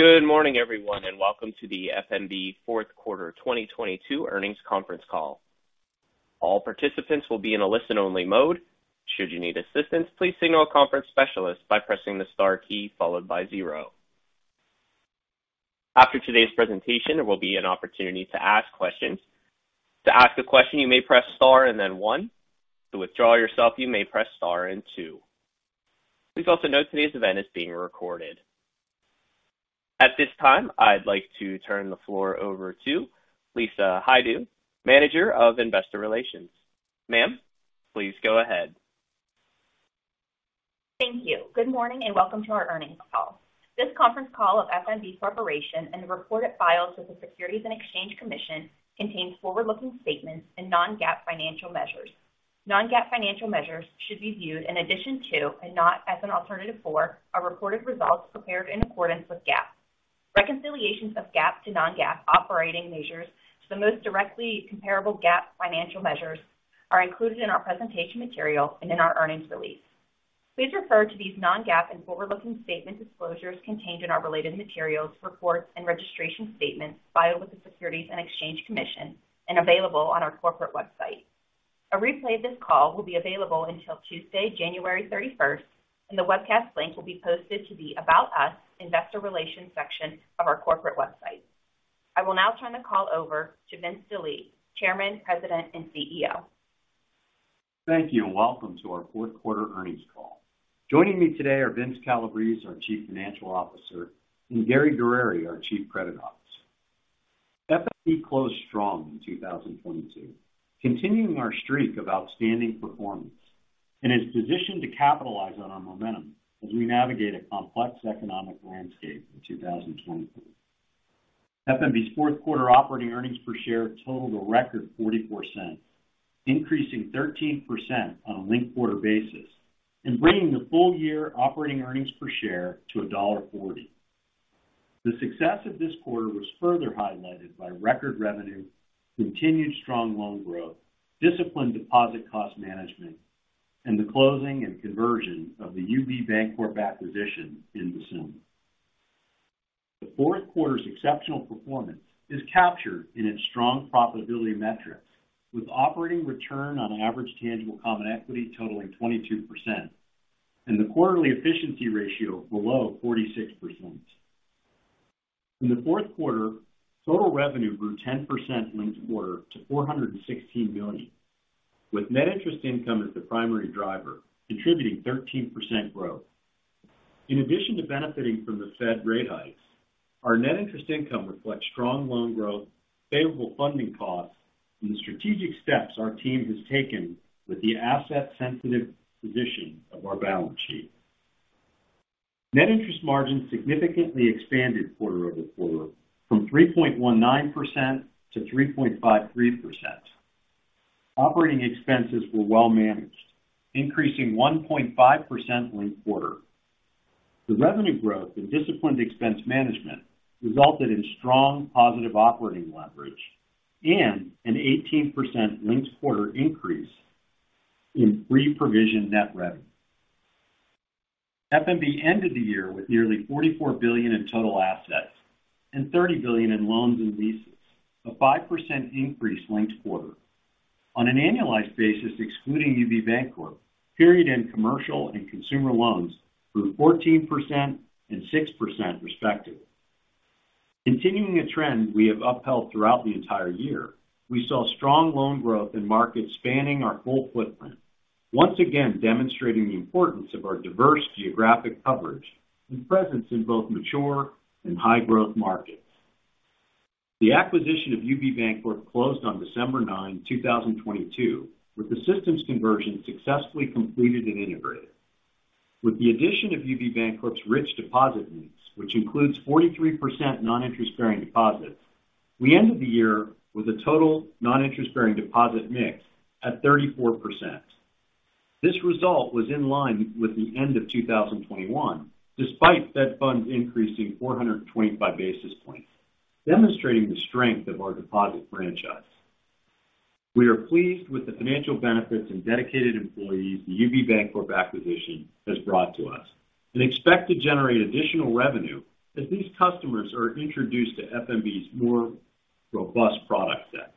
Good morning, everyone, and welcome to the F.N.B. Corporation fourth quarter 2022 earnings conference call. All participants will be in a listen-only mode. Should you need assistance, please signal a conference specialist by pressing the star key followed by zero. After today's presentation, there will be an opportunity to ask questions. To ask a question, you may press star and then one. To withdraw yourself, you may press star and two. Please also note today's event is being recorded. At this time, I'd like to turn the floor over to Lisa Hajdu, Manager of Investor Relations. Ma'am, please go ahead. Thank you. Good morning and welcome to our earnings call. This conference call of F.N.B.'s preparation and the report it files with the Securities and Exchange Commission contains forward-looking statements and non-GAAP financial measures. Non-GAAP financial measures should be viewed in addition to and not as an alternative for our reported results prepared in accordance with GAAP. Reconciliations of GAAP to non-GAAP operating measures to the most directly comparable GAAP financial measures are included in our presentation material and in our earnings release. Please refer to these non-GAAP and forward-looking statement disclosures contained in our related materials, reports, and registration statements filed with the Securities and Exchange Commission and available on our corporate website. A replay of this call will be available until Tuesday, January 31st, and the webcast link will be posted to the About Us, Investor Relations section of our corporate website. I will now turn the call over to Vince Delie, Chairman, President, and CEO. Thank you, and welcome to our fourth quarter earnings call. Joining me today are Vince Calabrese, our Chief Financial Officer, and Gary Guerrieri, our Chief Credit Officer. F.N.B. closed strong in 2022, continuing our streak of outstanding performance and is positioned to capitalize on our momentum as we navigate a complex economic landscape in 2023. F.N.B.'s fourth quarter operating earnings per share totaled a record $0.44, increasing 13% on a linked-quarter basis and bringing the full-year operating earnings per share to a $1.40. The success of this quarter was further highlighted by record revenue, continued strong loan growth, disciplined deposit cost management, and the closing and conversion of the UB Bancorp acquisition in December. The fourth quarter's exceptional performance is captured in its strong profitability metrics with operating return on average tangible common equity totaling 22% and the quarterly efficiency ratio below 46%. In the fourth quarter, total revenue grew 10% linked-quarter to $416 million, with net interest income as the primary driver, contributing 13% growth. In addition to benefiting from the Fed rate hikes, our net interest income reflects strong loan growth, favorable funding costs, and the strategic steps our team has taken with the asset-sensitive position of our balance sheet. Net interest margin significantly expanded quarter-over-quarter from 3.19% to 3.53%. Operating expenses were well managed, increasing 1.5% linked-quarter. The revenue growth and disciplined expense management resulted in strong positive operating leverage and an 18% linked quarter increase in free provision net revenue. F.N.B. ended the year with nearly $44 billion in total assets and $30 billion in loans and leases, a 5% increase linked quarter. On an annualized basis, excluding UB Bancorp, period end commercial and consumer loans grew 14% and 6% respectively. Continuing a trend we have upheld throughout the entire year, we saw strong loan growth in markets spanning our full footprint, once again demonstrating the importance of our diverse geographic coverage and presence in both mature and high-growth markets. The acquisition of UB Bancorp closed on December 9, 2022, with the systems conversion successfully completed and integrated. With the addition of UB Bancorp's rich deposit mix, which includes 43% non-interest-bearing deposits, we ended the year with a total non-interest-bearing deposit mix at 34%. This result was in line with the end of 2021, despite Fed funds increasing 425 basis points, demonstrating the strength of our deposit franchise. We are pleased with the financial benefits and dedicated employees the UB Bancorp acquisition has brought to us and expect to generate additional revenue as these customers are introduced to F.N.B's more robust product set.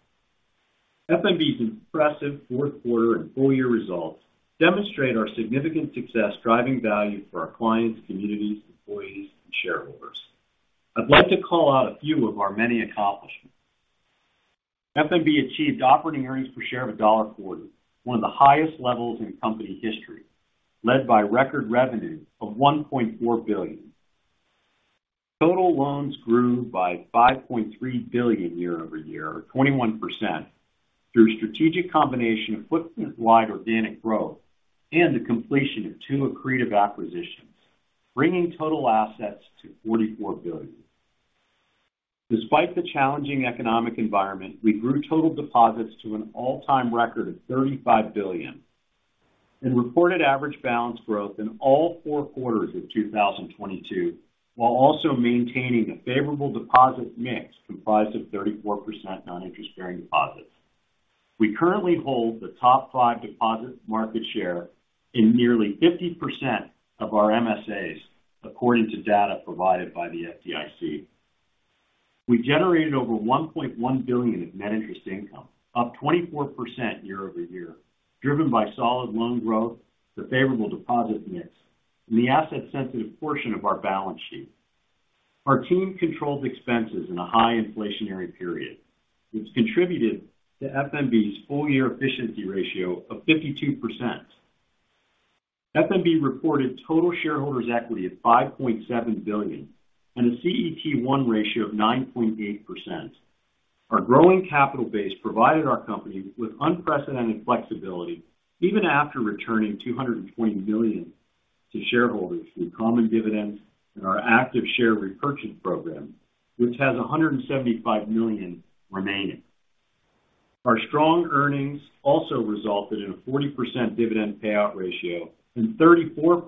F.N.B's impressive fourth quarter and full-year results demonstrate our significant success driving value for our clients, communities, employees, and shareholders. I'd like to call out a few of our many accomplishments. F.N.B achieved operating earnings per share of $1.40, one of the highest levels in company history, led by record revenue of $1.4 billion. Total loans grew by $5.3 billion year-over-year, or 21%, through strategic combination of footprint-wide organic growth and the completion of two accretive acquisitions, bringing total assets to $44 billion. Despite the challenging economic environment, we grew total deposits to an all-time record of $35 billion and reported average balance growth in all four quarters of 2022, while also maintaining a favorable deposit mix comprised of 34% non-interest-bearing deposits. We currently hold the top five deposit market share in nearly 50% of our MSAs, according to data provided by the FDIC. We generated over $1.1 billion in net interest income, up 24% year-over-year, driven by solid loan growth, the favorable deposit mix, and the asset sensitive portion of our balance sheet. Our team controlled expenses in a high inflationary period, which contributed to F.N.B.'s full year efficiency ratio of 52%. F.N.B. reported total shareholders equity of $5.7 billion and a CET1 ratio of 9.8%. Our growing capital base provided our company with unprecedented flexibility even after returning $220 million to shareholders through common dividends and our active share repurchase program, which has $175 million remaining. Our strong earnings also resulted in a 40% dividend payout ratio and 34%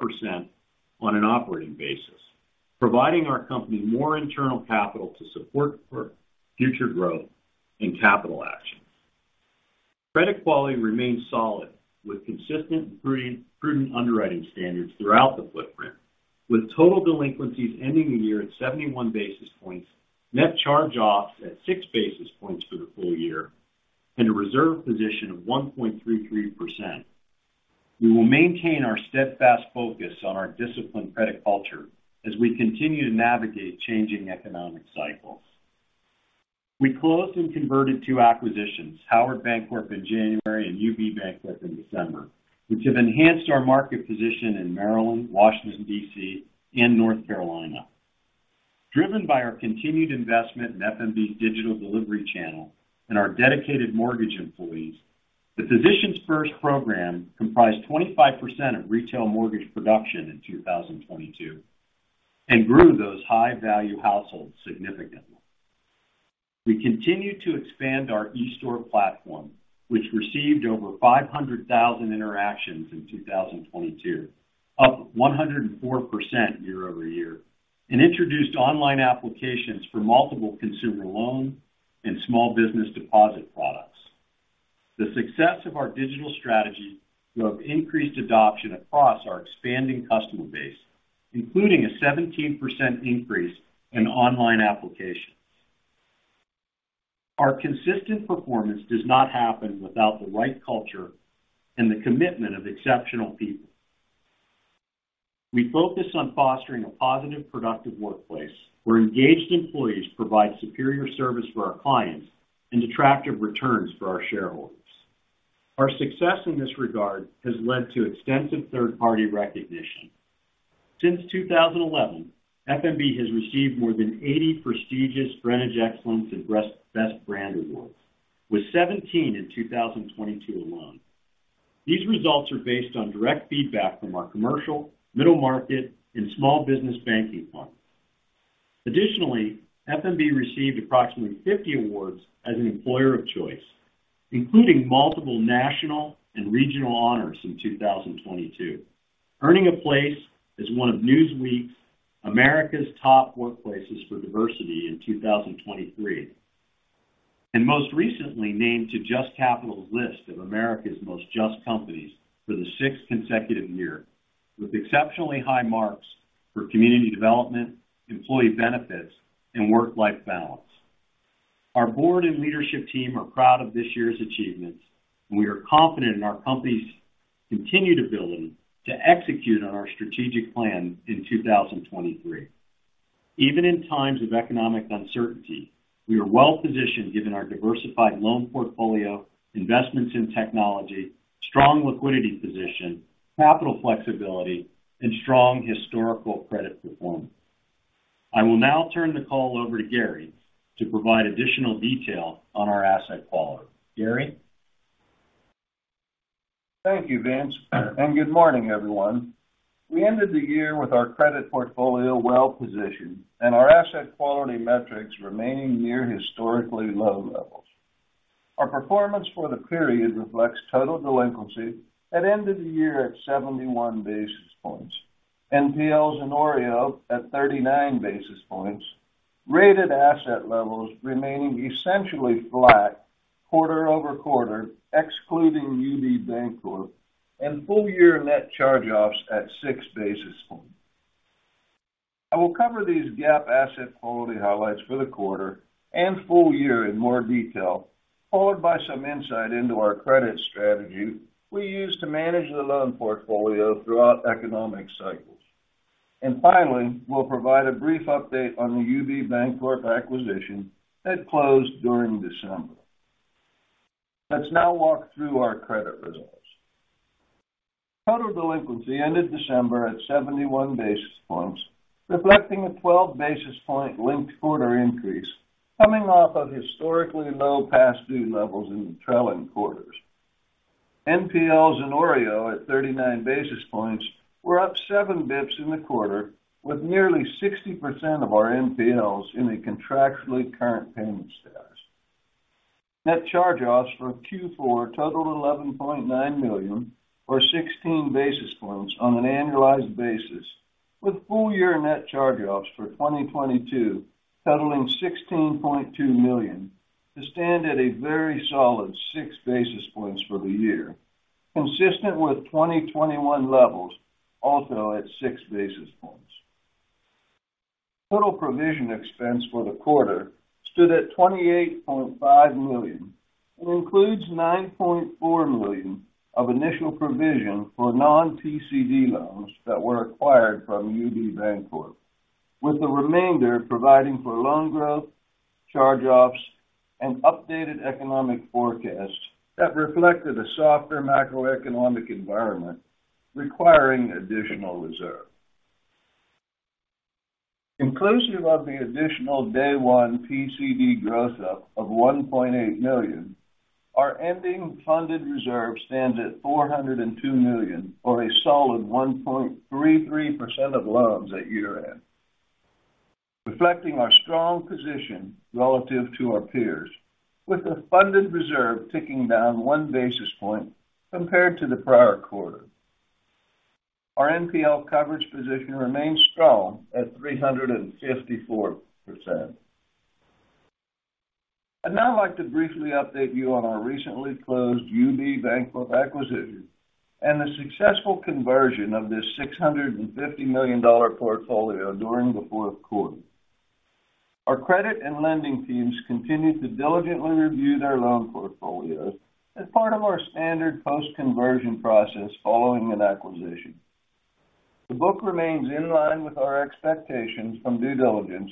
on an operating basis, providing our company more internal capital to support for future growth and capital actions. Credit quality remains solid with consistent and prudent underwriting standards throughout the footprint. With total delinquencies ending the year at 71 basis points, net charge-offs at 6 basis points for the full year, and a reserve position of 1.33%. We will maintain our steadfast focus on our disciplined credit culture as we continue to navigate changing economic cycles. We closed and converted two acquisitions, Howard Bancorp in January and UB Bancorp in December, which have enhanced our market position in Maryland, Washington, D.C., and North Carolina. Driven by our continued investment in F.N.B.'s digital delivery channel and our dedicated mortgage employees, the Physicians First program comprised 25% of retail mortgage production in 2022 and grew those high-value households significantly. We continue to expand our eStore platform, which received over 500,000 interactions in 2022, up 104% year-over-year, and introduced online applications for multiple consumer loan and small business deposit products. The success of our digital strategy drove increased adoption across our expanding customer base, including a 17% increase in online applications. Our consistent performance does not happen without the right culture and the commitment of exceptional people. We focus on fostering a positive, productive workplace where engaged employees provide superior service for our clients and attractive returns for our shareholders. Our success in this regard has led to extensive third-party recognition. Since 2011, F.N.B. Corporation has received more than 80 prestigious Greenwich Excellence and Best Brand Awards, with 17 in 2022 alone. These results are based on direct feedback from our commercial, middle market, and small business banking partners. Additionally, F.N.B. received approximately 50 awards as an employer of choice, including multiple national and regional honors in 2022. Earning a place as one of Newsweek's America's Top Workplaces for Diversity in 2023. Most recently named to JUST Capital's list of America's Most JUST Companies for the 6th consecutive year, with exceptionally high marks for community development, employee benefits, and work-life balance. Our board and leadership team are proud of this year's achievements, and we are confident in our company's continued ability to execute on our strategic plan in 2023. Even in times of economic uncertainty, we are well-positioned given our diversified loan portfolio, investments in technology, strong liquidity position, capital flexibility, and strong historical credit performance. I will now turn the call over to Gary to provide additional detail on our asset quality. Gary? Thank you, Vince, and good morning, everyone. We ended the year with our credit portfolio well-positioned and our asset quality metrics remaining near historically low levels. Our performance for the period reflects total delinquency at end of the year at 71 basis points, NPLs and OREO at 39 basis points, rated asset levels remaining essentially flat quarter-over-quarter, excluding UB Bancorp, and full-year net charge-offs at six basis points. I will cover these GAAP asset quality highlights for the quarter and full year in more detail, followed by some insight into our credit strategy we use to manage the loan portfolio throughout economic cycles. Finally, we'll provide a brief update on the UB Bancorp acquisition that closed during December. Let's now walk through our credit results. Total delinquency ended December at 71 basis points, reflecting a 12-basis point linked quarter increase coming off of historically low past due levels in the trailing quarters. NPLs and OREO at 39 basis points were up seven basis points in the quarter, with nearly 60% of our NPLs in a contractually current payment status. Net charge-offs for Q4 totaled $11.9 million or 16 basis points on an annualized basis. With full year net charge-offs for 2022 totaling $16.2 million to stand at a very solid six basis points for the year, consistent with 2021 levels also at six basis points. Total provision expense for the quarter stood at $28.5 million, includes $9.4 million of initial provision for non-PCD loans that were acquired from UB Bancorp, with the remainder providing for loan growth, charge-offs, and updated economic forecasts that reflected a softer macroeconomic environment requiring additional reserve. Inclusive of the additional day one PCD growth of $1.8 million, our ending funded reserve stands at $402 million or a solid 1.33% of loans at year-end, reflecting our strong position relative to our peers, with the funded reserve ticking down one basis point compared to the prior quarter. Our NPL coverage position remains strong at 354%. I'd now like to briefly update you on our recently closed UB Bancorp acquisition and the successful conversion of this $650 million portfolio during the fourth quarter. Our credit and lending teams continued to diligently review their loan portfolios as part of our standard post-conversion process following an acquisition. The book remains in line with our expectations from due diligence,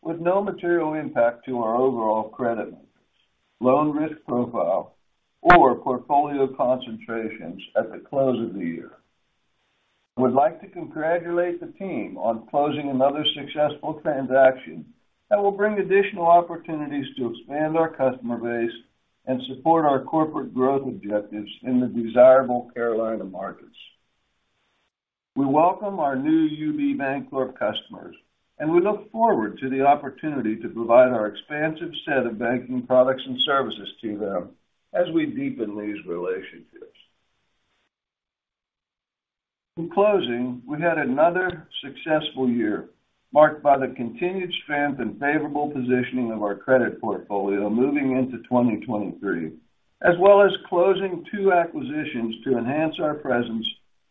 with no material impact to our overall credit, loan risk profile, or portfolio concentrations at the close of the year. I would like to congratulate the team on closing another successful transaction that will bring additional opportunities to expand our customer base and support our corporate growth objectives in the desirable Carolina markets. We welcome our new UB Bancorp customers. We look forward to the opportunity to provide our expansive set of banking products and services to them as we deepen these relationships. In closing, we had another successful year marked by the continued strength and favorable positioning of our credit portfolio moving into 2023, as well as closing two acquisitions to enhance our presence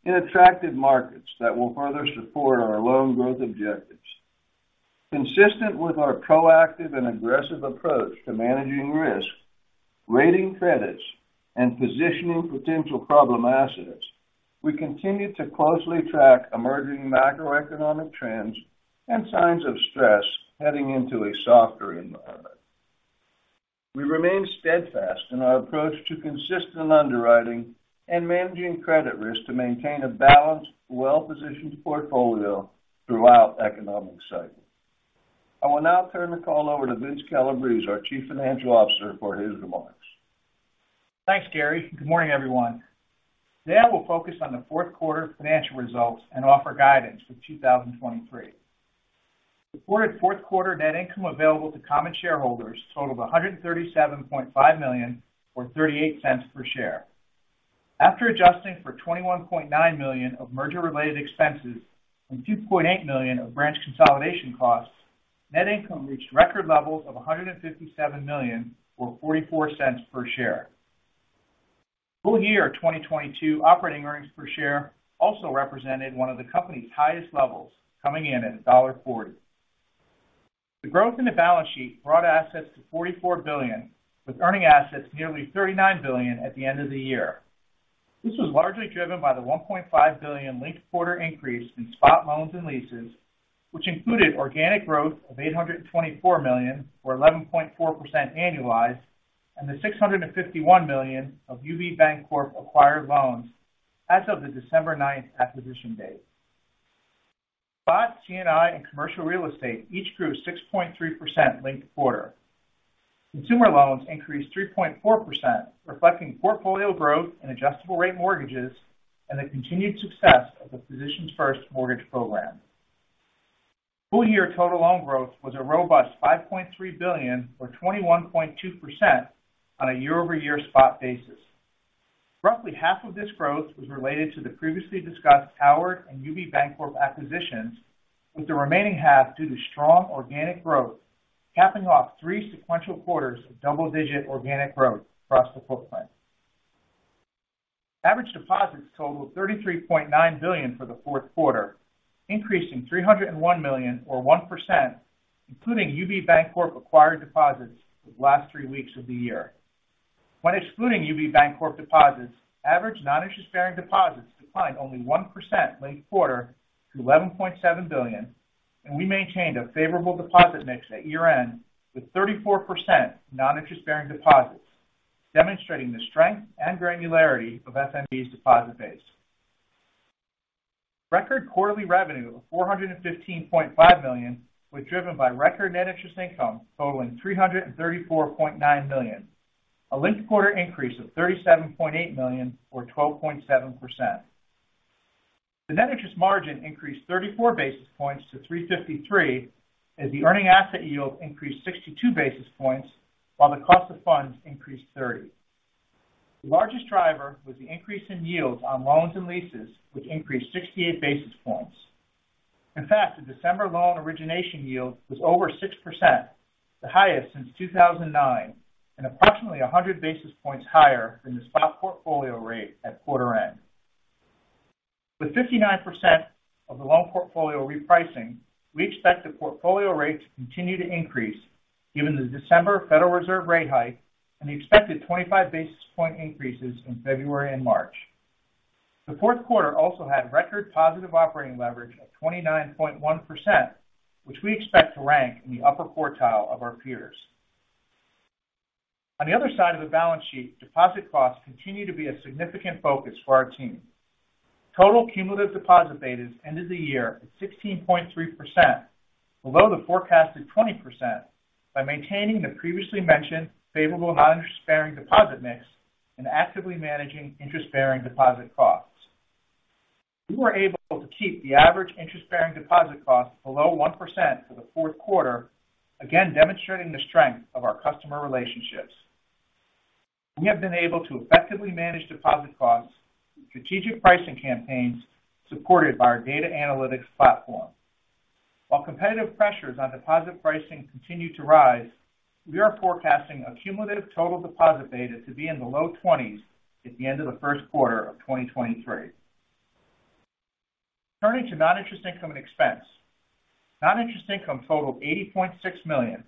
in attractive markets that will further support our loan growth objectives. Consistent with our proactive and aggressive approach to managing risk, rating credits, and positioning potential problem assets, we continue to closely track emerging macroeconomic trends and signs of stress heading into a softer environment. We remain steadfast in our approach to consistent underwriting and managing credit risk to maintain a balanced, well-positioned portfolio throughout economic cycles. I will now turn the call over to Vince Calabrese, our Chief Financial Officer, for his remarks. Thanks, Gary. Good morning, everyone. We'll focus on the fourth quarter financial results and offer guidance for 2023. Reported fourth quarter net income available to common shareholders totaled $137.5 million or $0.38 per share. After adjusting for $21.9 million of merger-related expenses and $2.8 million of branch consolidation costs, net income reached record levels of $157 million or $0.44 per share. Full year 2022 operating earnings per share also represented one of the company's highest levels, coming in at $1.40. The growth in the balance sheet brought assets to $44 billion, with earning assets nearly $39 billion at the end of the year. This was largely driven by the $1.5 billion linked quarter increase in spot loans and leases, which included organic growth of $824 million or 11.4% annualized, and the $651 million of UB Bancorp acquired loans as of the December 9th acquisition date. Spot, C&I, and commercial real estate each grew 6.3% linked quarter. Consumer loans increased 3.4%, reflecting portfolio growth in adjustable-rate mortgages and the continued success of the Physicians First mortgage program. Full year total loan growth was a robust $5.3 billion or 21.2% on a year-over-year spot basis. Roughly half of this growth was related to the previously discussed Howard and UB Bancorp acquisitions, with the remaining half due to strong organic growth, capping off three sequential quarters of double-digit organic growth across the footprint. Average deposits totaled $33.9 billion for the fourth quarter, increasing $301 million or 1%, including UB Bancorp acquired deposits the last three weeks of the year. When excluding UB Bancorp deposits, average non-interest bearing deposits declined only 1% linked quarter to $11.7 billion, and we maintained a favorable deposit mix at year-end with 34% non-interest bearing deposits, demonstrating the strength and granularity of F.N.B.'s deposit base. Record quarterly revenue of $415.5 million was driven by record net interest income totaling $334.9 million, a linked quarter increase of $37.8 million or 12.7%. The net interest margin increased 34 basis points to 3.53% as the earning asset yield increased 62 basis points while the cost of funds increased 30. The largest driver was the increase in yields on loans and leases, which increased 68 basis points. In fact, the December loan origination yield was over 6%, the highest since 2009, and approximately 100 basis points higher than the spot portfolio rate at quarter end. With 59% of the loan portfolio repricing, we expect the portfolio rate to continue to increase given the December Federal Reserve rate hike and the expected 25 basis point increases in February and March. The fourth quarter also had record positive operating leverage of 29.1%, which we expect to rank in the upper quartile of our peers. On the other side of the balance sheet, deposit costs continue to be a significant focus for our team. Total cumulative deposit betas ended the year at 16.3%, below the forecasted 20% by maintaining the previously mentioned favorable non-interest bearing deposit mix and actively managing interest-bearing deposit costs. We were able to keep the average interest bearing deposit cost below 1% for the fourth quarter, again demonstrating the strength of our customer relationships. We have been able to effectively manage deposit costs with strategic pricing campaigns supported by our data analytics platform. While competitive pressures on deposit pricing continue to rise, we are forecasting a cumulative total deposit beta to be in the low 20s at the end of the first quarter of 2023. Turning to non-interest income and expense. Non-interest income totaled $80.6 million,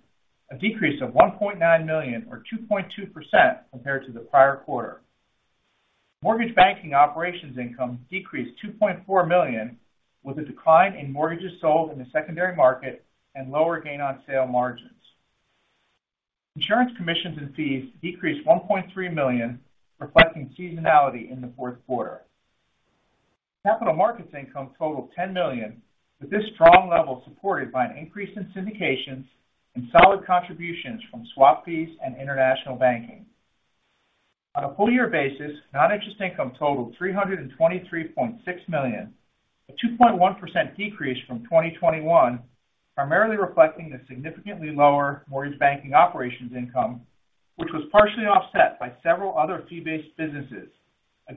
a decrease of $1.9 million or 2.2% compared to the prior quarter. Mortgage banking operations income decreased $2.4 million, with a decline in mortgages sold in the secondary market and lower gain on sale margins. Insurance commissions and fees decreased $1.3 million, reflecting seasonality in the fourth quarter. Capital markets income totaled $10 million, with this strong level supported by an increase in syndications and solid contributions from swap fees and international banking. On a full year basis, non-interest income totaled $323.6 million, a 2.1% decrease from 2021, primarily reflecting the significantly lower mortgage banking operations income, which was partially offset by several other fee-based businesses.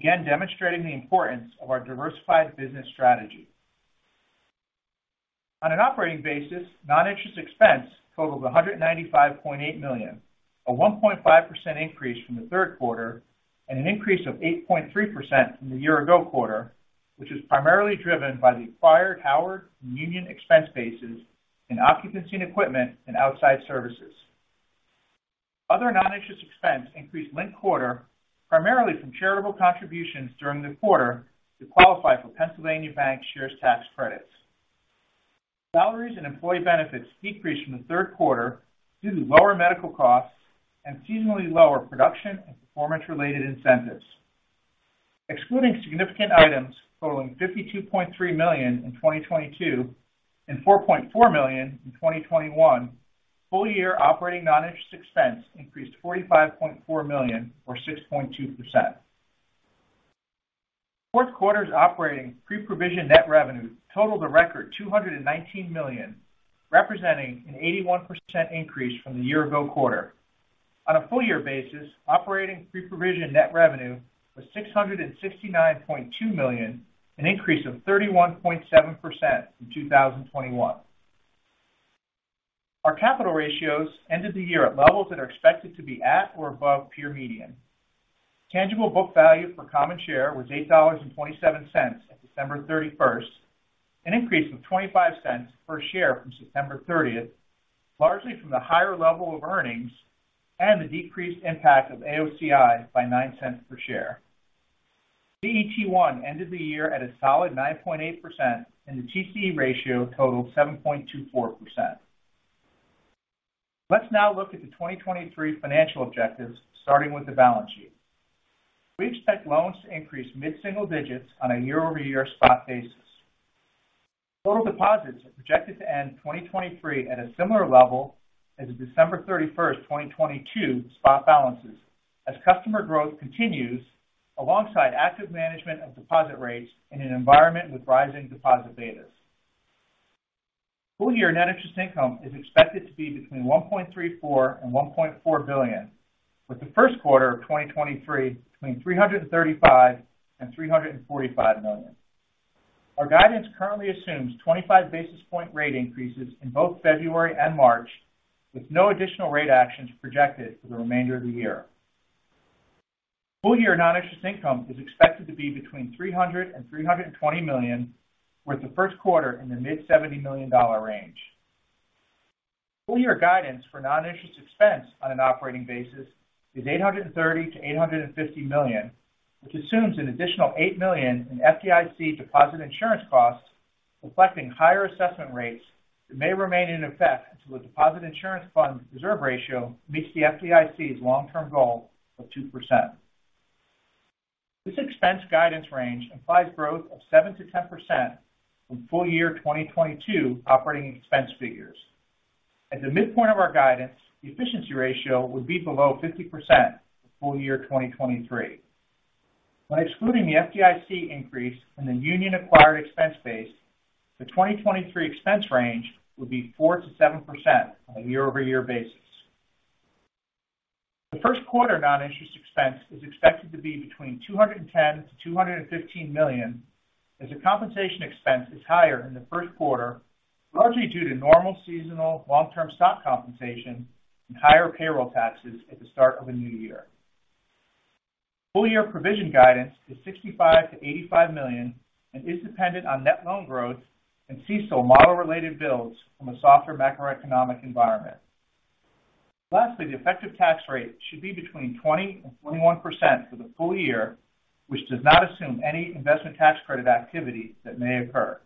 Demonstrating the importance of our diversified business strategy. On an operating basis, non-interest expense totaled $195.8 million, a 1.5% increase from the third quarter and an increase of 8.3% from the year-ago quarter, which is primarily driven by the acquired Howard and Union expense bases in occupancy and equipment and outside services. Other non-interest expense increased linked quarter, primarily from charitable contributions during the quarter to qualify for Pennsylvania Bank Shares Tax credits. Salaries and employee benefits decreased from the third quarter due to lower medical costs and seasonally lower production and performance-related incentives. Excluding significant items totaling $52.3 million in 2022 and $4.4 million in 2021, full year operating non-interest expense increased $45.4 million or 6.2%. Fourth quarter's operating pre-provision net revenue totaled a record $219 million, representing an 81% increase from the year ago quarter. On a full year basis, operating pre-provision net revenue was $669.2 million, an increase of 31.7% from 2021. Our capital ratios ended the year at levels that are expected to be at or above peer median. Tangible book value per common share was $8.27 at December 31st, an increase of $0.25 per share from September 30th, largely from the higher level of earnings and the decreased impact of AOCI by $0.09 per share. CET1 ended the year at a solid 9.8%. The TCE ratio totaled 7.24%. Let's now look at the 2023 financial objectives, starting with the balance sheet. We expect loans to increase mid-single digits on a year-over-year spot basis. Total deposits are projected to end 2023 at a similar level as of December 31st, 2022 spot balances as customer growth continues alongside active management of deposit rates in an environment with rising deposit betas. Full year net interest income is expected to be between $1.34 billion and $1.4 billion, with the first quarter of 2023 between $335 million and $345 million. Our guidance currently assumes 25 basis point rate increases in both February and March, with no additional rate actions projected for the remainder of the year. Full year non-interest income is expected to be between $300 million and $320 million, with the first quarter in the mid $70 million range. Full year guidance for non-interest expense on an operating basis is $830 million-$850 million, which assumes an additional $8 million in FDIC Deposit Insurance costs, reflecting higher assessment rates that may remain in effect until the Deposit Insurance Fund reserve ratio meets the FDIC's long-term goal of 2%. This expense guidance range implies growth of 7%-10% from full year 2022 operating expense figures. At the midpoint of our guidance, the efficiency ratio would be below 50% for full year 2023. When excluding the FDIC increase and the Union acquired expense base, the 2023 expense range will be 4%-7% on a year-over-year basis. The first quarter non-interest expense is expected to be between $210 million-$215 million, as the compensation expense is higher in the first quarter, largely due to normal seasonal long-term stock compensation and higher payroll taxes at the start of a new year. Full year provision guidance is $65 million-$85 million and is dependent on net loan growth and CECL model related builds from a softer macroeconomic environment. Lastly, the effective tax rate should be between 20% and 21% for the full year, which does not assume any investment tax credit activity that may occur.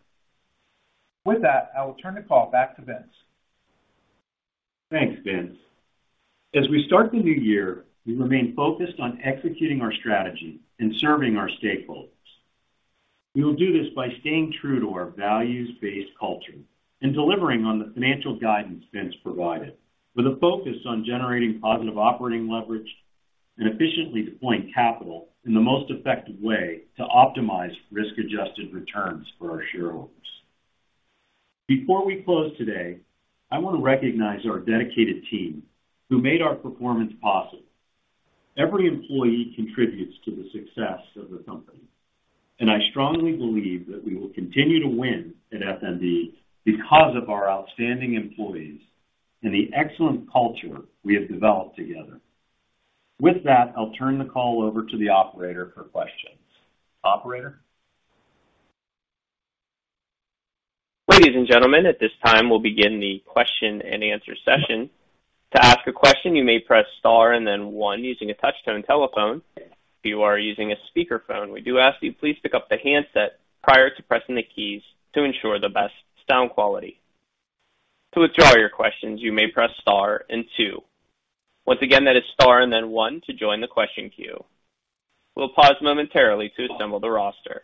With that, I will turn the call back to Vince Delie. Thanks, Vince. As we start the new year, we remain focused on executing our strategy and serving our stakeholders. We will do this by staying true to our values-based culture and delivering on the financial guidance Vince provided, with a focus on generating positive operating leverage and efficiently deploying capital in the most effective way to optimize risk-adjusted returns for our shareholders. Before we close today, I want to recognize our dedicated team who made our performance possible. Every employee contributes to the success of the company. I strongly believe that we will continue to win at F.N.B. because of our outstanding employees and the excellent culture we have developed together. With that, I'll turn the call over to the operator for questions. Operator? Ladies and gentlemen, at this time, we'll begin the question-and-answer session. To ask a question, you may press star and then one using a touch-tone telephone. If you are using a speakerphone, we do ask you please pick up the handset prior to pressing the keys to ensure the best sound quality. To withdraw your questions, you may press star and two. Once again, that is star and then one to join the question queue. We'll pause momentarily to assemble the roster.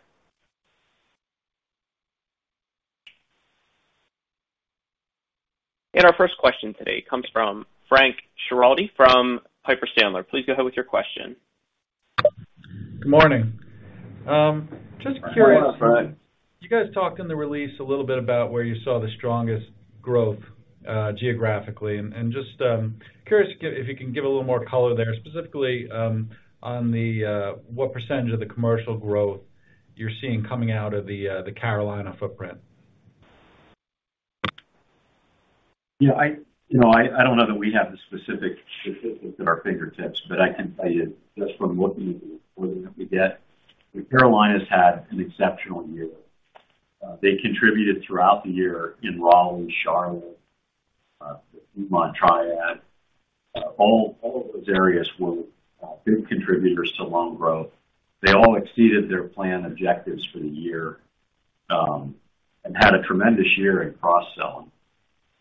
Our first question today comes from Frank Schiraldi from Piper Sandler. Please go ahead with your question. Good morning. Just curious. Good morning, Frank. You guys talked in the release a little bit about where you saw the strongest growth, geographically. Just curious if you can give a little more color there, specifically, on the what percentage of the commercial growth you're seeing coming out of the Carolina footprint? Yeah, you know, I don't know that we have the specific statistics at our fingertips, but I can tell you just from looking at the reporting that we get, the Carolinas had an exceptional year. They contributed throughout the year in Raleigh, Charlotte, the Piedmont Triad. All of those areas were big contributors to loan growth. They all exceeded their plan objectives for the year, and had a tremendous year in cross-selling.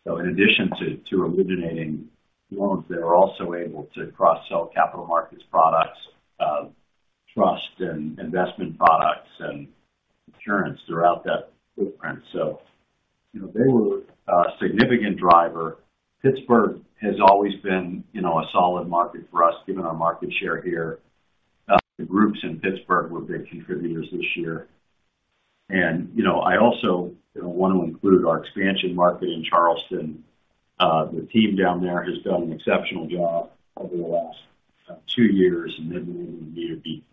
In addition to originating loans, they were also able to cross-sell capital markets products, trust and investment products and insurance throughout that footprint. You know, they were a significant driver. Pittsburgh has always been, you know, a solid market for us, given our market share here. The groups in Pittsburgh were big contributors this year. You know, I also, you know, want to include our expansion market in Charleston. The team down there has done an exceptional job over the last two years and then winning year to date,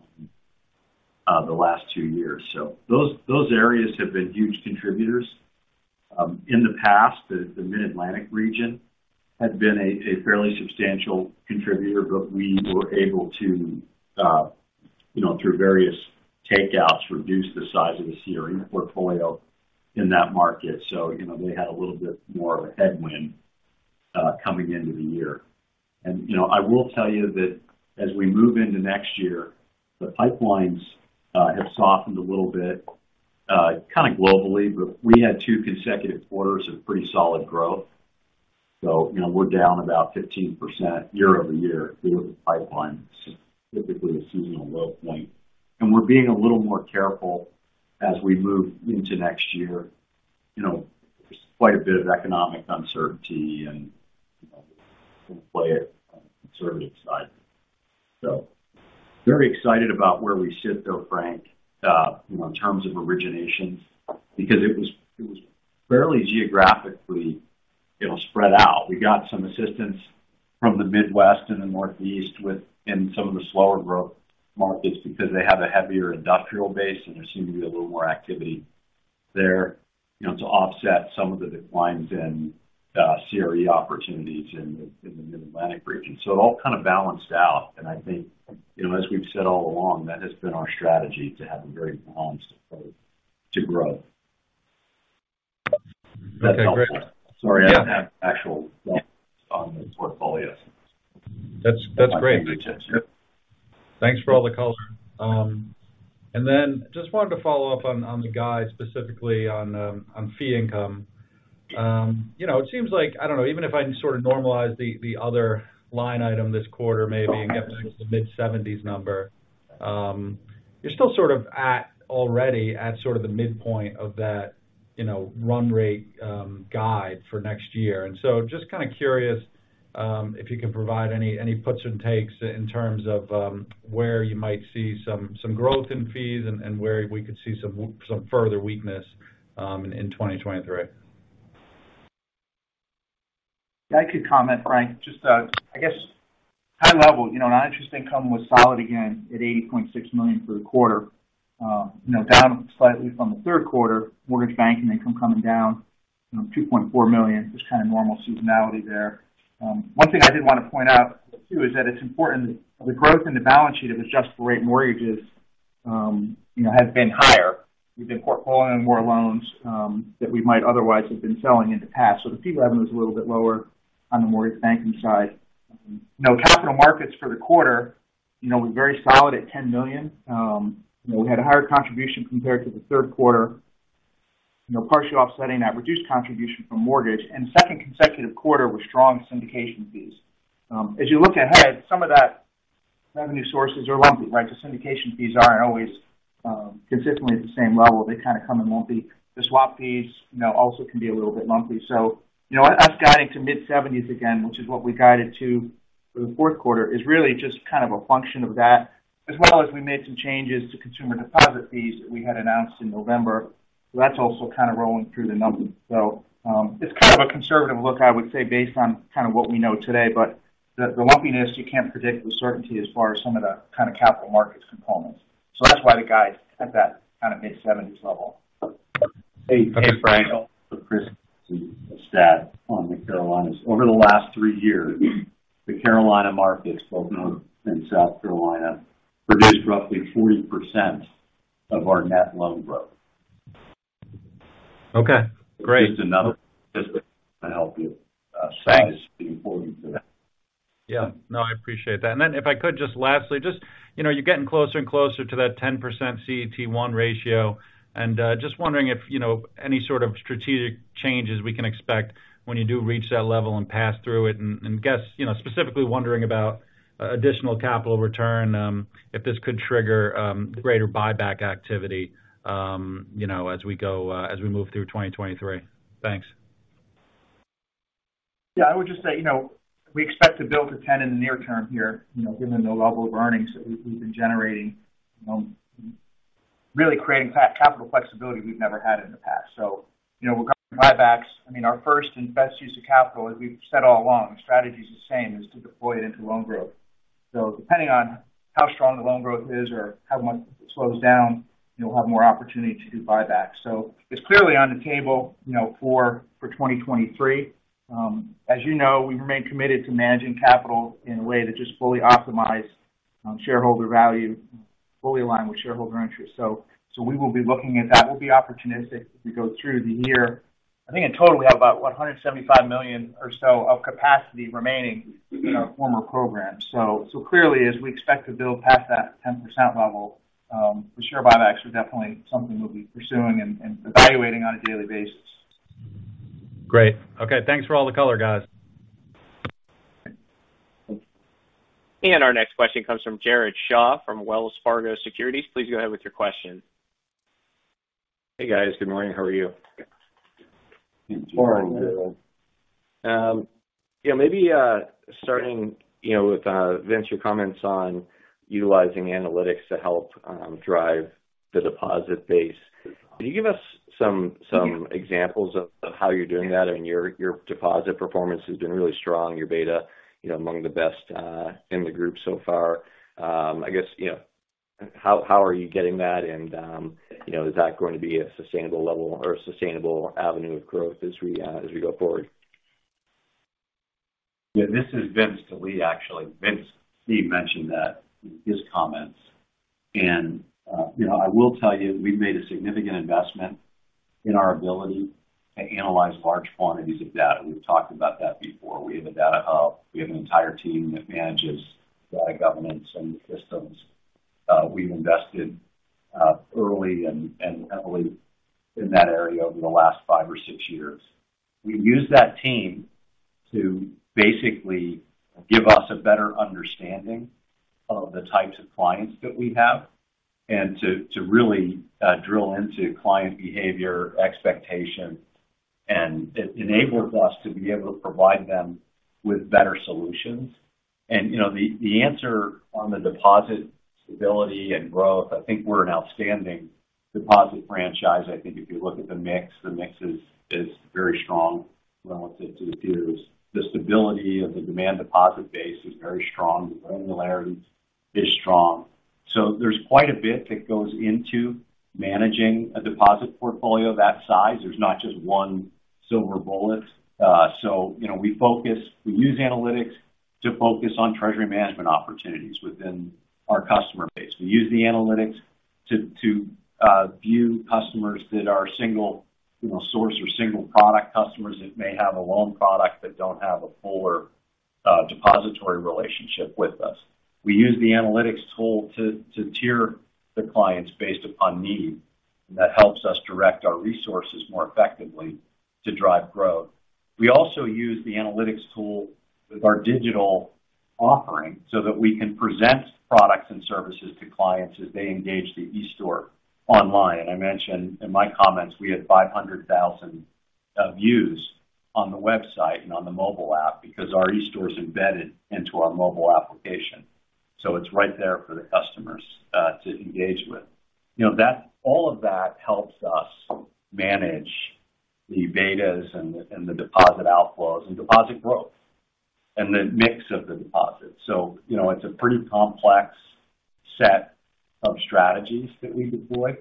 the last two years. Those areas have been huge contributors. In the past, the Mid-Atlantic region had been a fairly substantial contributor, but we were able to, you know, through various takeouts, reduce the size of the CRE portfolio in that market. You know, they had a little bit more of a headwind, coming into the year. You know, I will tell you that as we move into next year, the pipelines, have softened a little bit, kind of globally, but we had two consecutive quarters of pretty solid growth. You know, we're down about 15% year-over-year through the pipelines, typically a seasonal low point. We're being a little more careful as we move into next year. You know, there's quite a bit of economic uncertainty and, you know, we're going to play it on the conservative side. Very excited about where we sit, though, Frank, you know, in terms of originations because it was fairly geographically, you know, spread out. We got some assistance from the Midwest and the Northeast in some of the slower growth markets because they have a heavier industrial base and there seemed to be a little more activity there, you know, to offset some of the declines in CRE opportunities in the Mid-Atlantic region. It all kind of balanced out. I think, you know, as we've said all along, that has been our strategy to have a very balanced approach to growth. Okay, great. Sorry, I don't have actual numbers on those portfolios. That's great. At my fingertips. Yep. Thanks for all the color. Then just wanted to follow up on the guide, specifically on fee income. You know, it seems like, I don't know, even if I sort of normalize the other line item this quarter maybe and get back to the mid-70s number, you're still sort of already at sort of the midpoint of that, you know, run rate guide for next year. So just kind of curious if you can provide any puts and takes in terms of where you might see some growth in fees and where we could see some further weakness in 2023? I could comment, Frank. Just, I guess high level, you know, non-interest income was solid again at $80.6 million for the quarter. You know, down slightly from the third quarter. Mortgage banking income coming down, you know, $2.4 million. Just kind of normal seasonality there. One thing I did want to point out too is that it's important the growth in the balance sheet of adjustable-rate mortgages, you know, has been higher. We've been portfolioing more loans that we might otherwise have been selling in the past. The fee revenue is a little bit lower on the mortgage banking side. You know, capital markets for the quarter, you know, was very solid at $10 million. You know, we had a higher contribution compared to the third quarter, you know, partially offsetting that reduced contribution from mortgage. Second consecutive quarter with strong syndication fees. As you look ahead, some of that revenue sources are lumpy. Like the syndication fees aren't always consistently at the same level. They kind of come in lumpy. The swap fees, you know, also can be a little bit lumpy. You know, us guiding to mid-70s again, which is what we guided to for the fourth quarter, is really just kind of a function of that. As well as we made some changes to consumer deposit fees that we had announced in November. That's also kind of rolling through the numbers. It's kind of a conservative look, I would say, based on kind of what we know today. The lumpiness you can't predict with certainty as far as some of the kind of capital markets components. That's why the guide is at that kind of mid-70s level. Hey, Frank. Okay. A stat on the Carolinas. Over the last three years, the Carolina markets, both North and South Carolina, produced roughly 40% of our net loan growth. Okay, great. Just another statistic to help you. Thanks. size the importance of that. Yeah. No, I appreciate that. If I could just lastly, just, you know, you're getting closer and closer to that 10% CET1 ratio. Just wondering if, you know, any sort of strategic changes we can expect when you do reach that level and pass through it. Guess, you know, specifically wondering about additional capital return, if this could trigger greater buyback activity, you know, as we go as we move through 2023. Thanks. Yeah, I would just say, you know, we expect to build to 10 in the near term here, you know, given the level of earnings that we've been generating, really creating capital flexibility we've never had in the past. When it comes to buybacks, I mean, our first and best use of capital, as we've said all along, the strategy's the same, is to deploy it into loan growth. Depending on how strong the loan growth is or how much it slows down, we'll have more opportunity to do buybacks. It's clearly on the table, you know, for 2023. As you know, we remain committed to managing capital in a way that just fully optimize shareholder value, fully aligned with shareholder interest. We will be looking at that. We'll be opportunistic as we go through the year. I think in total, we have about $175 million or so of capacity remaining in our former program. Clearly, as we expect to build past that 10% level, the share buybacks are definitely something we'll be pursuing and evaluating on a daily basis. Great. Okay, thanks for all the color, guys. Our next question comes from Jared Shaw from Wells Fargo Securities. Please go ahead with your question. Hey, guys. Good morning. How are you? Good morning. Good. Yeah, maybe, starting, you know, with Vince Delie, your comments on utilizing analytics to help drive the deposit base. Can you give us some examples of how you're doing that? I mean, your deposit performance has been really strong. Your beta, you know, among the best in the group so far. I guess, you know, how are you getting that? You know, is that going to be a sustainable level or a sustainable avenue of growth as we go forward? Yeah, this is Vince Delie actually. Vince Calabrese mentioned that in his comments. You know, I will tell you, we've made a significant investment in our ability to analyze large quantities of data. We've talked about that before. We have a data hub. We have an entire team that manages data governance and systems. We've invested early and heavily in that area over the last five or six years. We use that team to basically give us a better understanding of the types of clients that we have and to really drill into client behavior, expectation, and it enables us to be able to provide them with better solutions. You know, the answer on the deposit stability and growth, I think we're an outstanding deposit franchise. I think if you look at the mix, the mix is very strong relative to the peers. The stability of the demand deposit base is very strong. The granularity is strong. There's quite a bit that goes into managing a deposit portfolio that size. There's not just one silver bullet. You know, we use analytics to focus on treasury management opportunities within our customer base. We use the analytics to view customers that are single, you know, source or single product customers that may have a loan product but don't have a fuller depository relationship with us. We use the analytics tool to tier the clients based upon need, and that helps us direct our resources more effectively to drive growth. We also use the analytics tool with our digital offering so that we can present products and services to clients as they engage the eStore online. I mentioned in my comments, we had 500,000 views on the website and on the mobile app because our eStore is embedded into our mobile application. It's right there for the customers to engage with. You know, all of that helps us manage the betas and the deposit outflows and deposit growth and the mix of the deposits. You know, it's a pretty complex set of strategies that we deploy.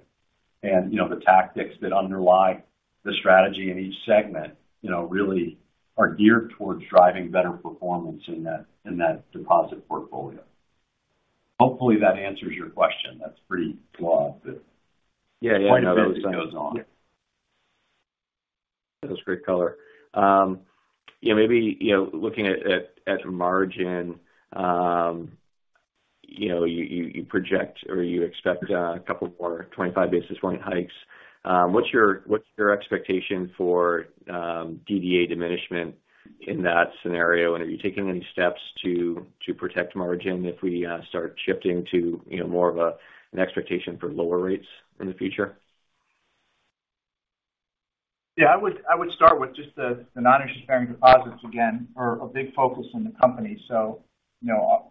You know, the tactics that underlie the strategy in each segment, you know, really are geared towards driving better performance in that deposit portfolio. Hopefully that answers your question. That's pretty broad, but. Yeah. Quite a bit that goes on. That was great color. Yeah, maybe, you know, looking at margin, you know, you project or you expect a couple more 25 basis point hikes. What's your expectation for DDA diminishment in that scenario? Are you taking any steps to protect margin if we start shifting to, you know, more of an expectation for lower rates in the future? I would start with just the non-interest bearing deposits again are a big focus in the company.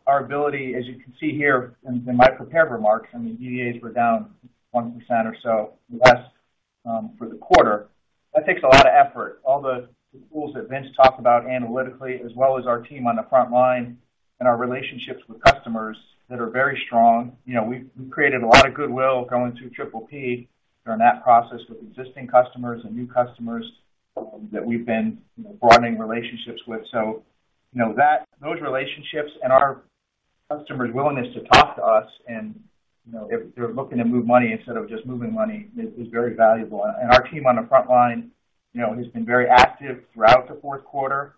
Our ability, as you can see here in my prepared remarks, I mean, DDAs were down 1% or so less for the quarter. That takes a lot of effort. All the tools that Vince talked about analytically, as well as our team on the front line and our relationships with customers that are very strong. We've created a lot of goodwill going through PPP during that process with existing customers and new customers that we've been broadening relationships with. Those relationships and our customers' willingness to talk to us and, if they're looking to move money instead of just moving money is very valuable. Our team on the front line, you know, has been very active throughout the fourth quarter,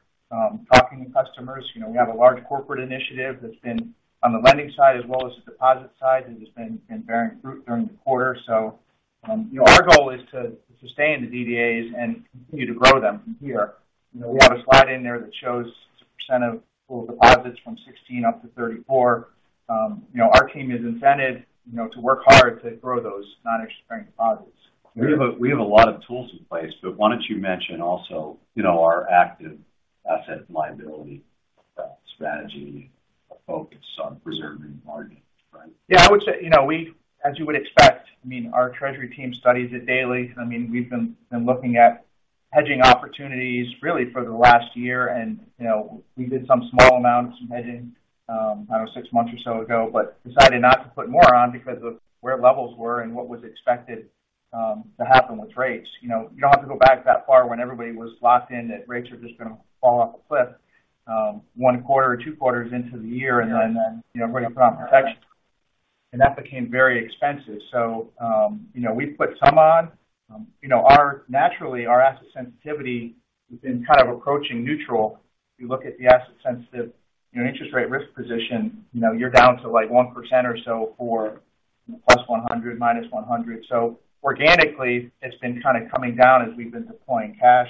talking to customers. You know, we have a large corporate initiative that's been on the lending side as well as the deposit side that has been bearing fruit during the quarter. You know, our goal is to sustain the DDAs and continue to grow them from here. You know, we have a slide in there that shows the percent of total deposits from 16 up to 34. You know, our team is incented, you know, to work hard to grow those non-interest bearing deposits. We have a lot of tools in place. Why don't you mention also, you know, our active asset and liability strategy focus on preserving margin. Yeah, I would say, you know, we as you would expect, I mean, our treasury team studies it daily. I mean, we've been looking at hedging opportunities really for the last year. You know, we did some small amounts of hedging, I don't know, six months or so ago, but decided not to put more on because of where levels were and what was expected to happen with rates. You know, you don't have to go back that far when everybody was locked in that rates are just going to fall off a cliff, one quarter or two quarters into the year. Yeah. Then, you know, we're going to put on protection. That became very expensive. You know, we put some on. You know, naturally, our asset sensitivity has been kind of approaching neutral. If you look at the asset sensitive, you know, interest rate risk position, you know, you're down to like 1% or so for +100, -100. Organically, it's been kind of coming down as we've been deploying cash,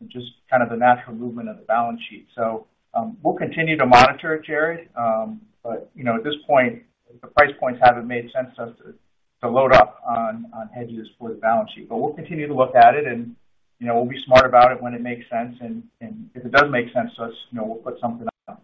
which is kind of the natural movement of the balance sheet. We'll continue to monitor it, Jared. You know, at this point, the price points haven't made sense to us to load up on hedges for the balance sheet. We'll continue to look at it and, you know, we'll be smart about it when it makes sense. If it does make sense to us, you know, we'll put something on.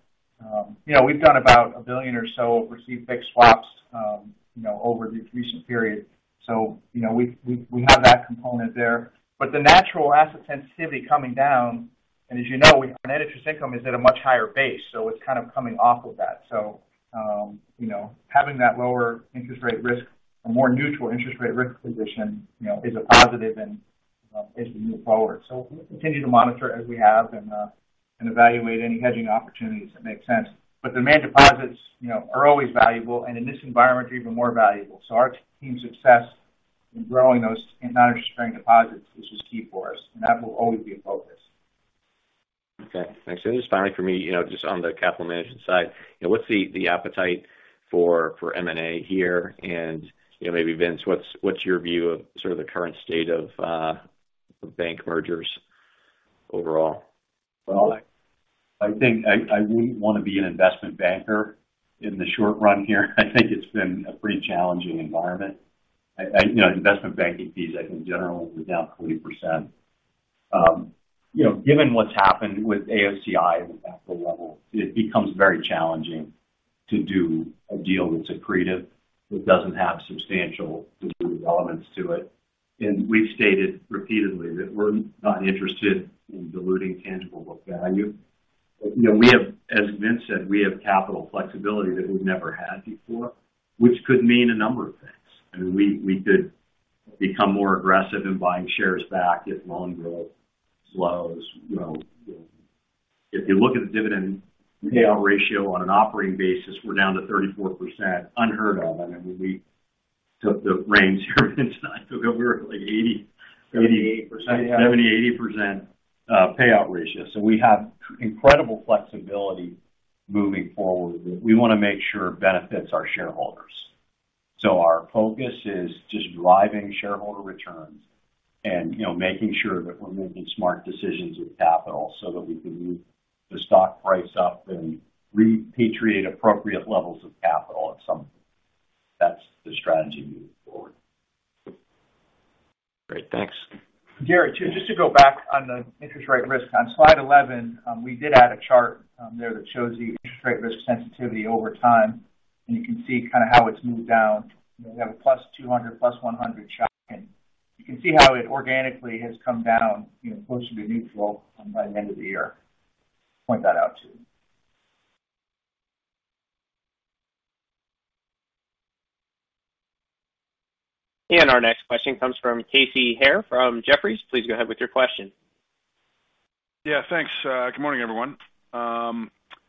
You know, we've done about $1 billion or so received fixed swaps, you know, over the recent period. You know, we, we have that component there. The natural asset sensitivity coming down, and as you know, our net interest income is at a much higher base, so it's kind of coming off of that. You know, having that lower interest rate risk or more neutral interest rate risk position, you know, is a positive and as we move forward. We'll continue to monitor as we have and evaluate any hedging opportunities that make sense. Demand deposits, you know, are always valuable, and in this environment, are even more valuable. Our team's success in growing those non-interest bearing deposits is just key for us, and that will always be a focus. Okay. Thanks. Just finally for me, you know, just on the capital management side, you know, what's the appetite for M&A here? You know, maybe Vince, what's your view of sort of the current state of bank mergers overall? Well, I think I wouldn't want to be an investment banker in the short run here. I think it's been a pretty challenging environment. I, you know, investment banking fees, I think generally were down 40%. You know, given what's happened with AOCI at the capital level, it becomes very challenging to do a deal that's accretive, that doesn't have substantial dilutive elements to it. We've stated repeatedly that we're not interested in diluting tangible book value. You know, we have, as Vince said, we have capital flexibility that we've never had before, which could mean a number of things. I mean, we could become more aggressive in buying shares back if loan growth slows. You know, if you look at the dividend payout ratio on an operating basis, we're down to 34%. Unheard of. I mean, we took the reins here, Vince and I. We were at like eighty- 78%, yeah. 70%, 80% payout ratio. We have incredible flexibility moving forward that we want to make sure benefits our shareholders. Our focus is just driving shareholder returns and, you know, making sure that we're making smart decisions with capital so that we can move the stock price up and repatriate appropriate levels of capital at some point. That's the strategy moving forward. Great. Thanks. Gary, just to go back on the interest rate risk. On Slide 11, we did add a chart there that shows the interest rate risk sensitivity over time, and you can see kind of how it's moved down. We have a +200, +100 shock, and you can see how it organically has come down, you know, closer to neutral by the end of the year. Point that out to you. Our next question comes from Casey Haire from Jefferies. Please go ahead with your question. Yeah, thanks. Good morning, everyone.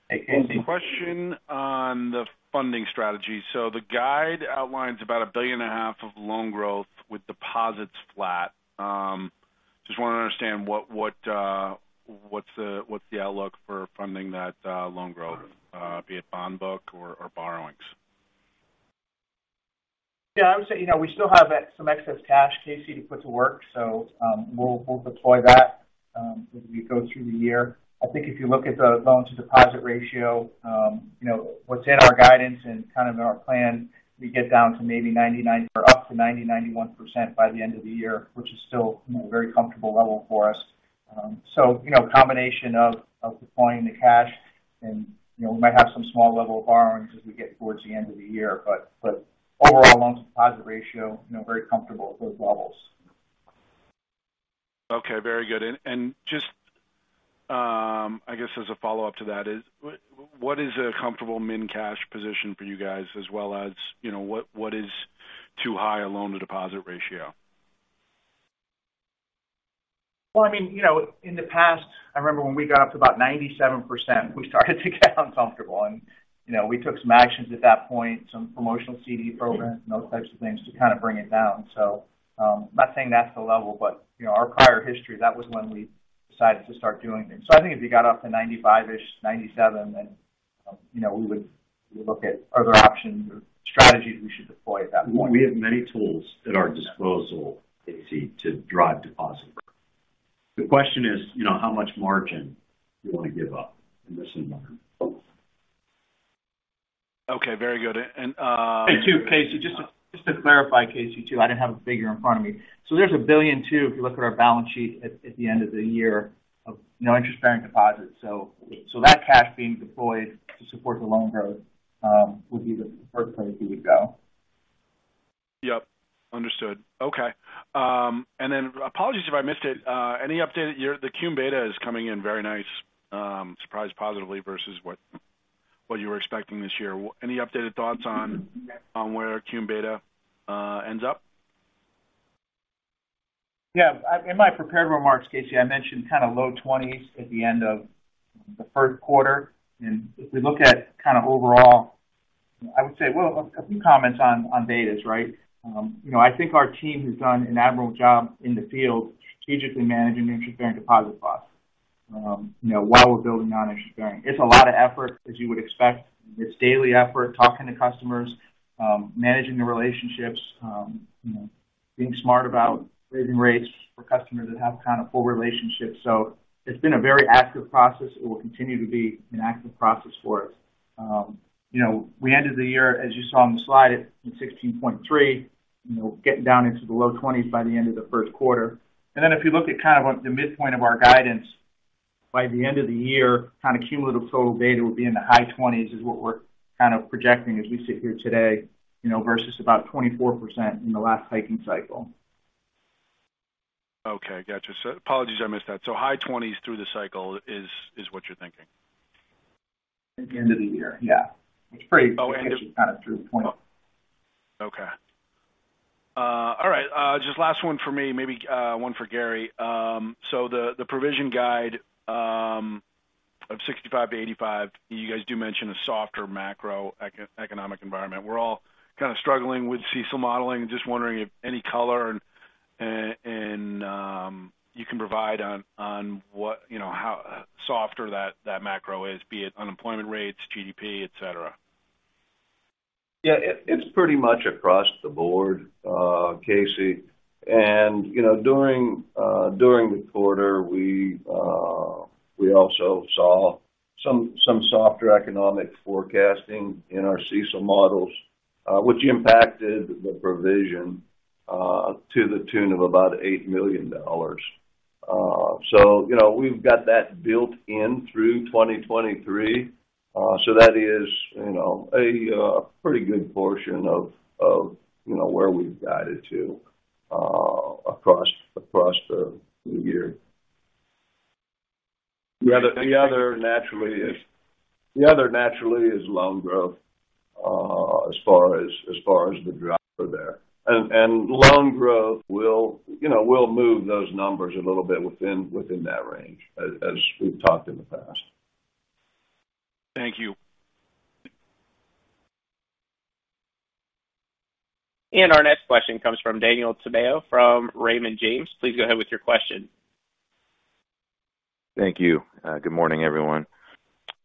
Hey, Casey. A question on the funding strategy. The guide outlines about a billion and a half of loan growth with deposits flat. Just want to understand what's the outlook for funding that loan growth, be it bond book or borrowings? Yeah, I would say, you know, we still have some excess cash, Casey, to put to work. We'll deploy that as we go through the year. I think if you look at the loan to deposit ratio, you know, what's in our guidance and kind of in our plan, we get down to maybe 90% or up to 90%-91% by the end of the year, which is still, you know, a very comfortable level for us. You know, combination of deploying the cash and, you know, we might have some small level of borrowings as we get towards the end of the year, but overall loan to deposit ratio, you know, very comfortable at those levels. Okay, very good. Just, I guess as a follow-up to that is what is a comfortable min cash position for you guys as well as, you know, what is too high a loan to deposit ratio? Well, I mean, you know, in the past, I remember when we got up to about 97%, we started to get uncomfortable. You know, we took some actions at that point, some promotional CD programs and those types of things to kind of bring it down. I'm not saying that's the level, but, you know, our prior history, that was when we decided to start doing things. I think if you got up to 95-ish, 97, then, you know, we would look at other options or strategies we should deploy at that point. We have many tools at our disposal, Casey, to drive deposit growth. The question is, you know, how much margin you want to give up in this environment. Okay, very good. Too, Casey, just to clarify, Casey, too, I didn't have a figure in front of me. There's $1 billion or $2 billion, if you look at our balance sheet at the end of the year of no interest bearing deposits. That cash being deployed to support the loan growth, would be the first place we would go. Yep, understood. Okay. Apologies if I missed it. Any update, the [QMB data] is coming in very nice, surprised positively versus what you were expecting this year. Any updated thoughts on where [QMB data] ends up? Yeah. In my prepared remarks, Casey, I mentioned kind of low 20s% at the end of the first quarter. If we look at kind of overall, I would say, well, a few comments on betas, right? You know, I think our team has done an admirable job in the field strategically managing interest bearing deposit costs, you know, while we're building non-interest bearing. It's a lot of effort, as you would expect. It's daily effort, talking to customers, managing the relationships, you know, being smart about raising rates for customers that have kind of full relationships. It's been a very active process. It will continue to be an active process for us. You know, we ended the year, as you saw on the slide, at 16.3%. You know, getting down into the low 20s by the end of the first quarter. If you look at kind of on the midpoint of our guidance, by the end of the year, kind of cumulative total data will be in the high 20s is what we're kind of projecting as we sit here today, you know, versus about 24% in the last hiking cycle. Okay. Got you. Apologies, I missed that. High 20s through the cycle is what you're thinking. At the end of the year. Yeah. Oh. Kind of through the point. All right, just last one for me, maybe, one for Gary. The provision guide of 65-85, you guys do mention a softer macroeconomic environment. We're all kind of struggling with CECL modeling and just wondering if any color and you can provide on what, you know, how softer that macro is, be it unemployment rates, GDP, et cetera. Yeah. It's pretty much across the board, Casey. You know, during the quarter, we also saw some softer economic forecasting in our CECL models, which impacted the provision to the tune of about $8 million. You know, we've got that built in through 2023. That is, you know, a pretty good portion of, you know, where we've guided to across the year. The other naturally is loan growth as far as the driver there. Loan growth will, you know, will move those numbers a little bit within that range as we've talked in the past. Thank you. Our next question comes from Daniel Tamayo from Raymond James. Please go ahead with your question. Thank you. Good morning, everyone.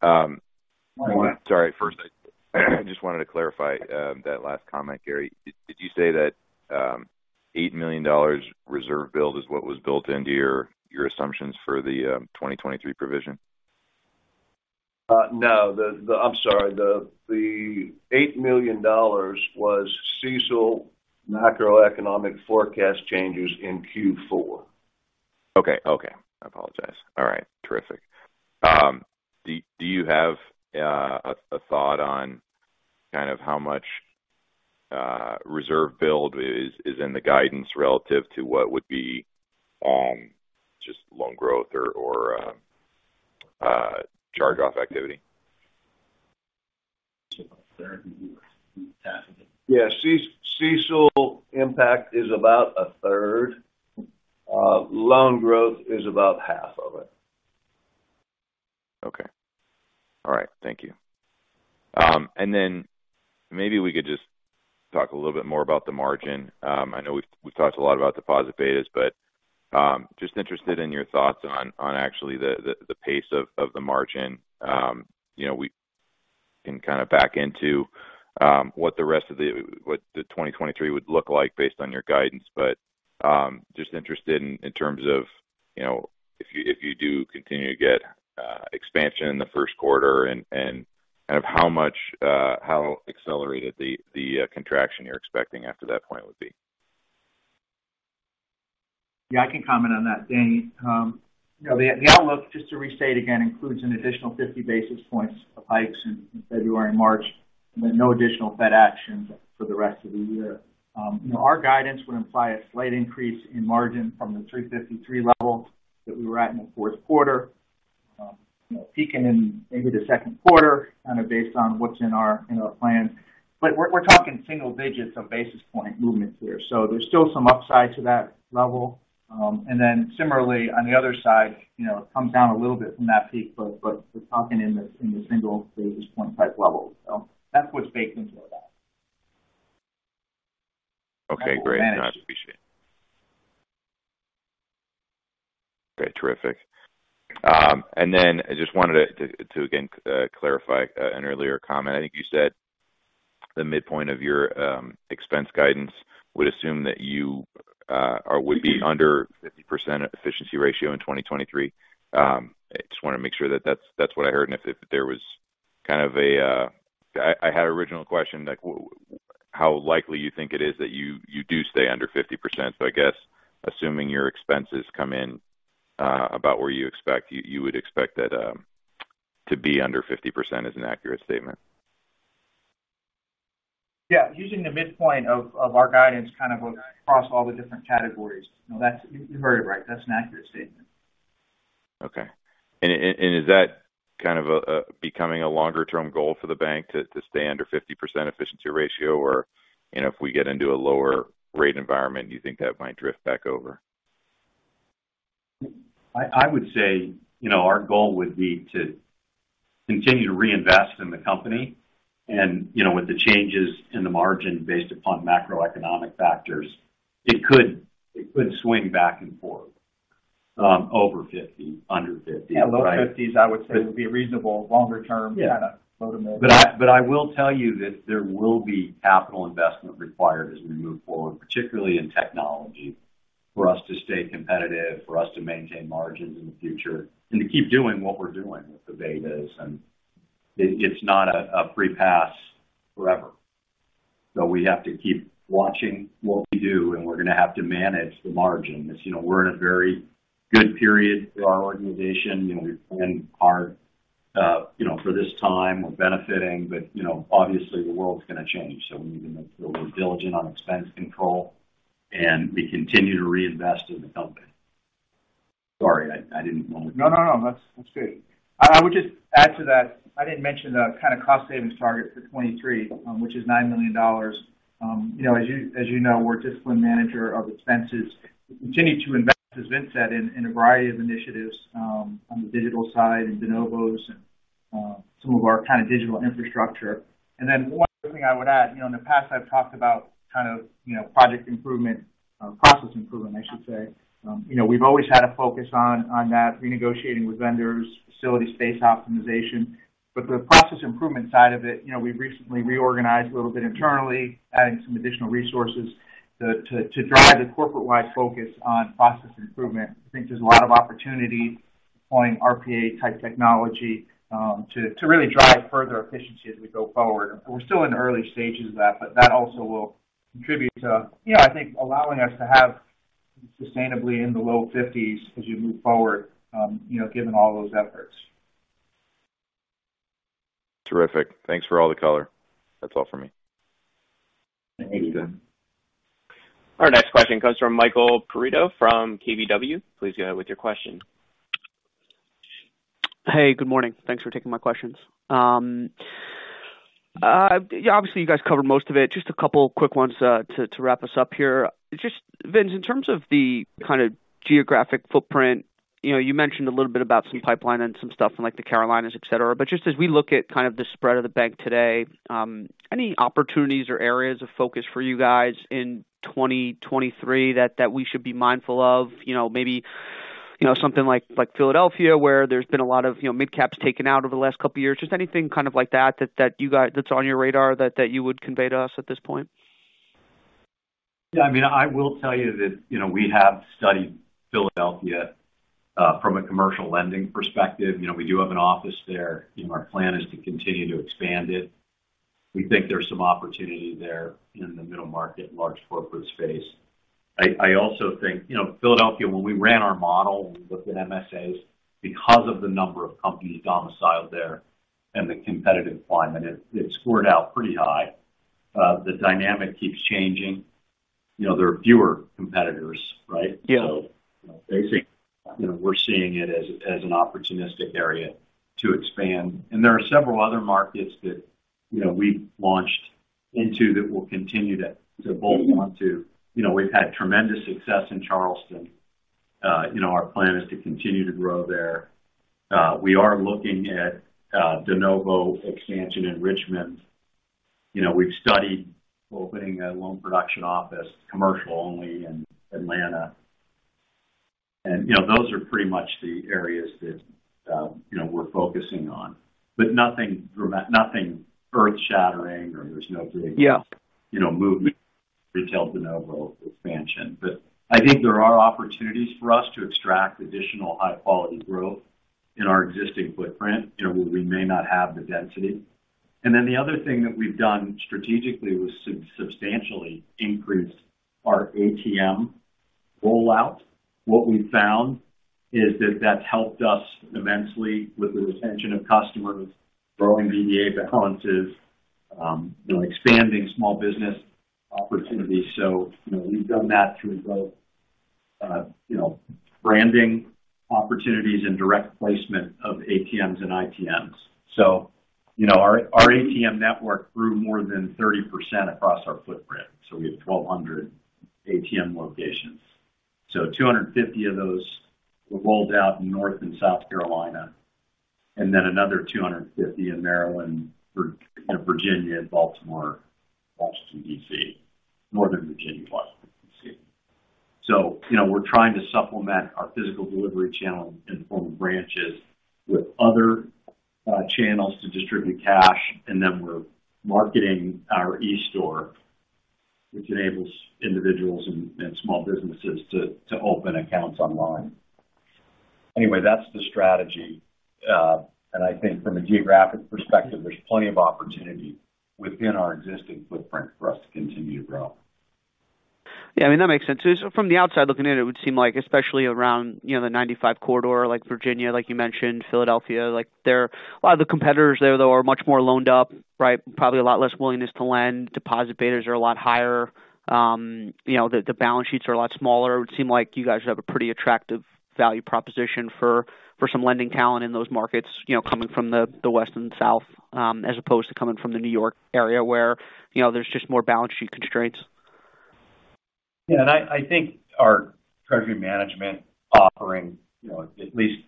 Sorry, first I just wanted to clarify, that last comment, Gary, did you say that, $8 million reserve build is what was built into your assumptions for the, 2023 provision? No. I'm sorry. The $8 million was CECL macroeconomic forecast changes in Q4. Okay. Okay. I apologize. All right. Terrific. Do you have a thought on kind of how much reserve build is in the guidance relative to what would be just loan growth or charge-off activity? Yeah. CECL impact is about 1/3. Loan growth is about half of it. Okay. All right. Thank you. Maybe we could just talk a little bit more about the margin. I know we've talked a lot about deposit betas, but, just interested in your thoughts on actually the pace of the margin. you know, we can kind of back into what the 2023 would look like based on your guidance. Just interested in terms of, you know, if you, if you do continue to get expansion in the first quarter and kind of how much, how accelerated the contraction you're expecting after that point would be. I can comment on that, Daniel. You know, the outlook, just to restate again, includes an additional 50 basis points of hikes in February and March, and then no additional Fed actions for the rest of the year. You know, our guidance would imply a slight increase in margin from the 3.53 level that we were at in the fourth quarter. You know, peaking in maybe the second quarter, kind of based on what's in our plan. We're talking single digits of basis point movements here. There's still some upside to that level. Similarly on the other side, you know, it comes down a little bit from that peak, but we're talking in the single basis point type level. That's what's baked into it all. Okay, great. No, I appreciate it. Great. Terrific. I just wanted to again clarify an earlier comment. I think you said the midpoint of your expense guidance would assume that you or would be under 50% efficiency ratio in 2023. I just wanna make sure that that's what I heard and if there was kind of a I had an original question like how likely you think it is that you do stay under 50%. I guess assuming your expenses come in about where you expect, you would expect that to be under 50% is an accurate statement. Yeah. Using the midpoint of our guidance kind of across all the different categories. No, you heard it right. That's an accurate statement. Okay. Is that kind of a becoming a longer-term goal for the bank to stay under 50% efficiency ratio? You know, if we get into a lower rate environment, do you think that might drift back over? I would say, you know, our goal would be to continue to reinvest in the company and, you know, with the changes in the margin based upon macroeconomic factors, it could swing back and forth, over 50%, under 50%. Yeah, low 50s I would say would be a reasonable longer term kind of goal. I, but I will tell you that there will be capital investment required as we move forward, particularly in technology, for us to stay competitive, for us to maintain margins in the future and to keep doing what we're doing with the betas. It's not a free pass forever. We have to keep watching what we do, and we're going to have to manage the margin. As you know, we're in a very good period for our organization. You know, we've planned our, you know, for this time we're benefiting, but, you know, obviously the world's going to change. We need to be a little diligent on expense control and we continue to reinvest in the company. Sorry, I didn't want to. No, no. That's great. I would just add to that, I didn't mention the kind of cost savings target for 2023, which is $9 million. You know, as you know, we're a disciplined manager of expenses. We continue to invest, as Vince said, in a variety of initiatives, on the digital side and de novos and some of our kind of digital infrastructure. One other thing I would add. You know, in the past I've talked about kind of, you know, process improvement, I should say. You know, we've always had a focus on that renegotiating with vendors, facility space optimization. The process improvement side of it, you know, we've recently reorganized a little bit internally, adding some additional resources to drive the corporate-wide focus on process improvement. I think there's a lot of opportunity deploying RPA type technology, to really drive further efficiency as we go forward. We're still in early stages of that, but that also will contribute to, you know, I think allowing us to have sustainably in the low 50s as you move forward, you know, given all those efforts. Terrific. Thanks for all the color. That's all for me. Thank you. Our next question comes from Michael Perito from KBW. Please go ahead with your question. Hey, good morning. Thanks for taking my questions. Yeah, obviously, you guys covered most of it. Just a couple quick ones to wrap us up here. Vince, in terms of the kind of geographic footprint, you know, you mentioned a little bit about some pipeline and some stuff in like the Carolinas, et cetera. Just as we look at kind of the spread of the bank today, any opportunities or areas of focus for you guys in 2023 that we should be mindful of? You know, maybe something like Philadelphia, where there's been a lot of, you know, midcaps taken out over the last couple of years. Just anything kind of like that that's on your radar that you would convey to us at this point. Yeah, I mean, I will tell you that, you know, we have studied Philadelphia, from a commercial lending perspective. You know, we do have an office there, and our plan is to continue to expand it. We think there's some opportunity there in the middle market, large corporate space. I also think, you know, Philadelphia, when we ran our model and we looked at MSAs, because of the number of companies domiciled there and the competitive climate, it scored out pretty high. The dynamic keeps changing. You know, there are fewer competitors, right? Yeah. Basically, you know, we're seeing it as an opportunistic area to expand. There are several other markets that, you know, we've launched into that we'll continue to bolt onto. You know, we've had tremendous success in Charleston. You know, our plan is to continue to grow there. We are looking at de novo expansion in Richmond. You know, we've studied opening a loan production office, commercial only, in Atlanta. You know, those are pretty much the areas that, you know, we're focusing on. Nothing earth-shattering, or there's no big- Yeah... you know, movement, retail de novo expansion. I think there are opportunities for us to extract additional high-quality growth in our existing footprint, you know, where we may not have the density. The other thing that we've done strategically was substantially increase our ATM rollout. What we found is that that's helped us immensely with the retention of customers, growing BDA balances, you know, expanding small business opportunities. You know, we've done that through both, you know, branding opportunities and direct placement of ATMs and ITMs. You know, our ATM network grew more than 30% across our footprint, so we have 1,200 ATM locations. 250 of those were rolled out in North and South Carolina, and then another 250 in Maryland, you know, Virginia, Baltimore, Washington, D.C. Northern Virginia, Washington, D.C. You know, we're trying to supplement our physical delivery channel in the form of branches with other channels to distribute cash. We're marketing our eStore, which enables individuals and small businesses to open accounts online. That's the strategy. And I think from a geographic perspective, there's plenty of opportunity within our existing footprint for us to continue to grow. Yeah, I mean, that makes sense. From the outside looking in, it would seem like especially around, you know, the 95 corridor, like Virginia, like you mentioned, Philadelphia, like there. A lot of the competitors there, though, are much more loaned up, right? Probably a lot less willingness to lend. Deposit betas are a lot higher. You know, the balance sheets are a lot smaller. It would seem like you guys have a pretty attractive value proposition for some lending talent in those markets, you know, coming from the West and South, as opposed to coming from the New York area where, you know, there's just more balance sheet constraints. I think our treasury management offering, you know, at least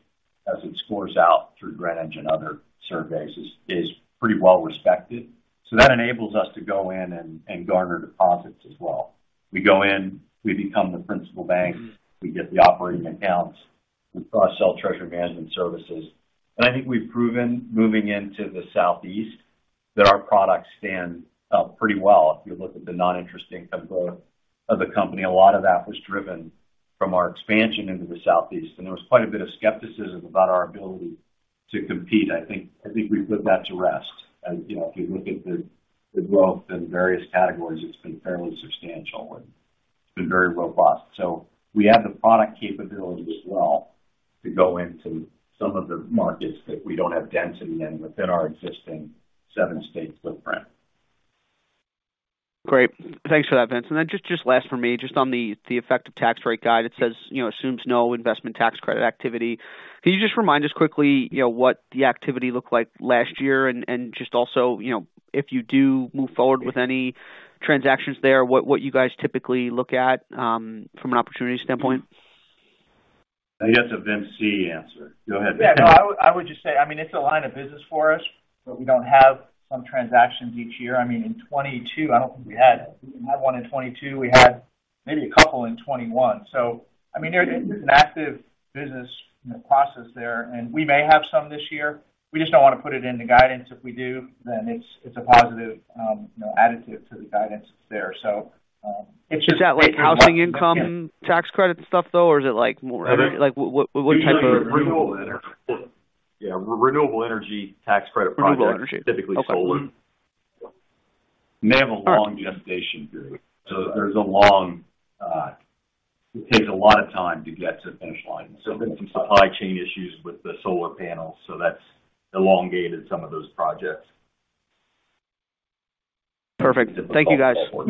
as it scores out through Greenwich and other surveys, is pretty well respected. That enables us to go in and garner deposits as well. We go in, we become the principal bank, we get the operating accounts. We cross-sell treasury management services. I think we've proven, moving into the Southeast, that our products stand up pretty well. If you look at the non-interest of growth of the company, a lot of that was driven from our expansion into the Southeast, and there was quite a bit of skepticism about our ability to compete. I think, I think we put that to rest. You know, if you look at the growth in various categories, it's been fairly substantial and it's been very robust. We have the product capability as well to go into some of the markets that we don't have density in within our existing seven-state footprint. Great. Thanks for that, Vince. Just last from me, just on the effective tax rate guide, it says, you know, assumes no investment tax credit activity. Can you just remind us quickly, you know, what the activity looked like last year? Just also, you know, if you do move forward with any transactions there, what you guys typically look at from an opportunity standpoint? That's a Vince Calabrese answer. Go ahead. Yeah, no, I would just say, I mean, it's a line of business for us, but we don't have some transactions each year. I mean, in 2022, I don't think we had. We didn't have one in 2022. We had maybe a couple in 2021. I mean, there's an active business process there, and we may have some this year. We just don't want to put it in the guidance. If we do, then it's a positive, you know, additive to the guidance there. Is that like housing income tax credit stuff though, or is it like more like what type of- Renewable energy. Yeah, renewable energy tax credit projects. Renewable energy. Okay. Typically solar. They have a long gestation period. It takes a lot of time to get to the finish line. There's been some supply chain issues with the solar panels, so that's elongated some of those projects. Perfect. Thank you, guys. All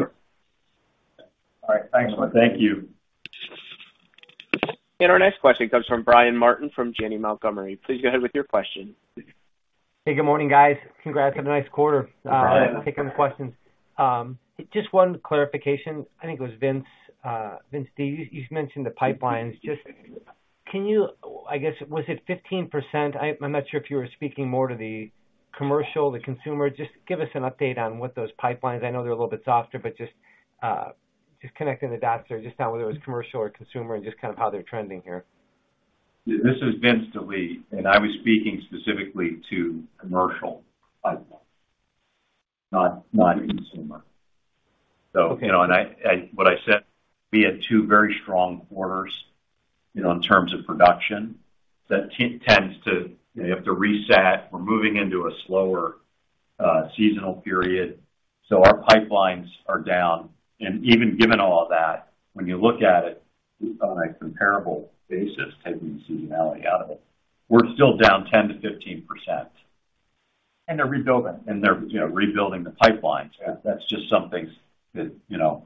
right. Thanks. Thank you. Our next question comes from Brian Martin from Janney Montgomery. Please go ahead with your question. Hey, good morning, guys. Congrats on a nice quarter. Good morning. Thanks. A couple of questions. Just one clarification. I think it was Vince Calabrese, you mentioned the pipelines. Just can you I guess, was it 15%? I'm not sure if you were speaking more to the commercial, the consumer. Just give us an update on what those pipelines. I know they're a little bit softer, but just connecting the dots there, just on whether it was commercial or consumer and just kind of how they're trending here. This is Vincent Delie, and I was speaking specifically to commercial pipelines, not consumer. You know, what I said, we had two very strong quarters, you know, in terms of production that tends to, you know, you have to reset. We're moving into a slower, seasonal period, so our pipelines are down. Even given all that, when you look at it on a comparable basis, taking seasonality out of it, we're still down 10%-15%. They're rebuilding. They're, you know, rebuilding the pipelines. Yeah. That's just something that, you know,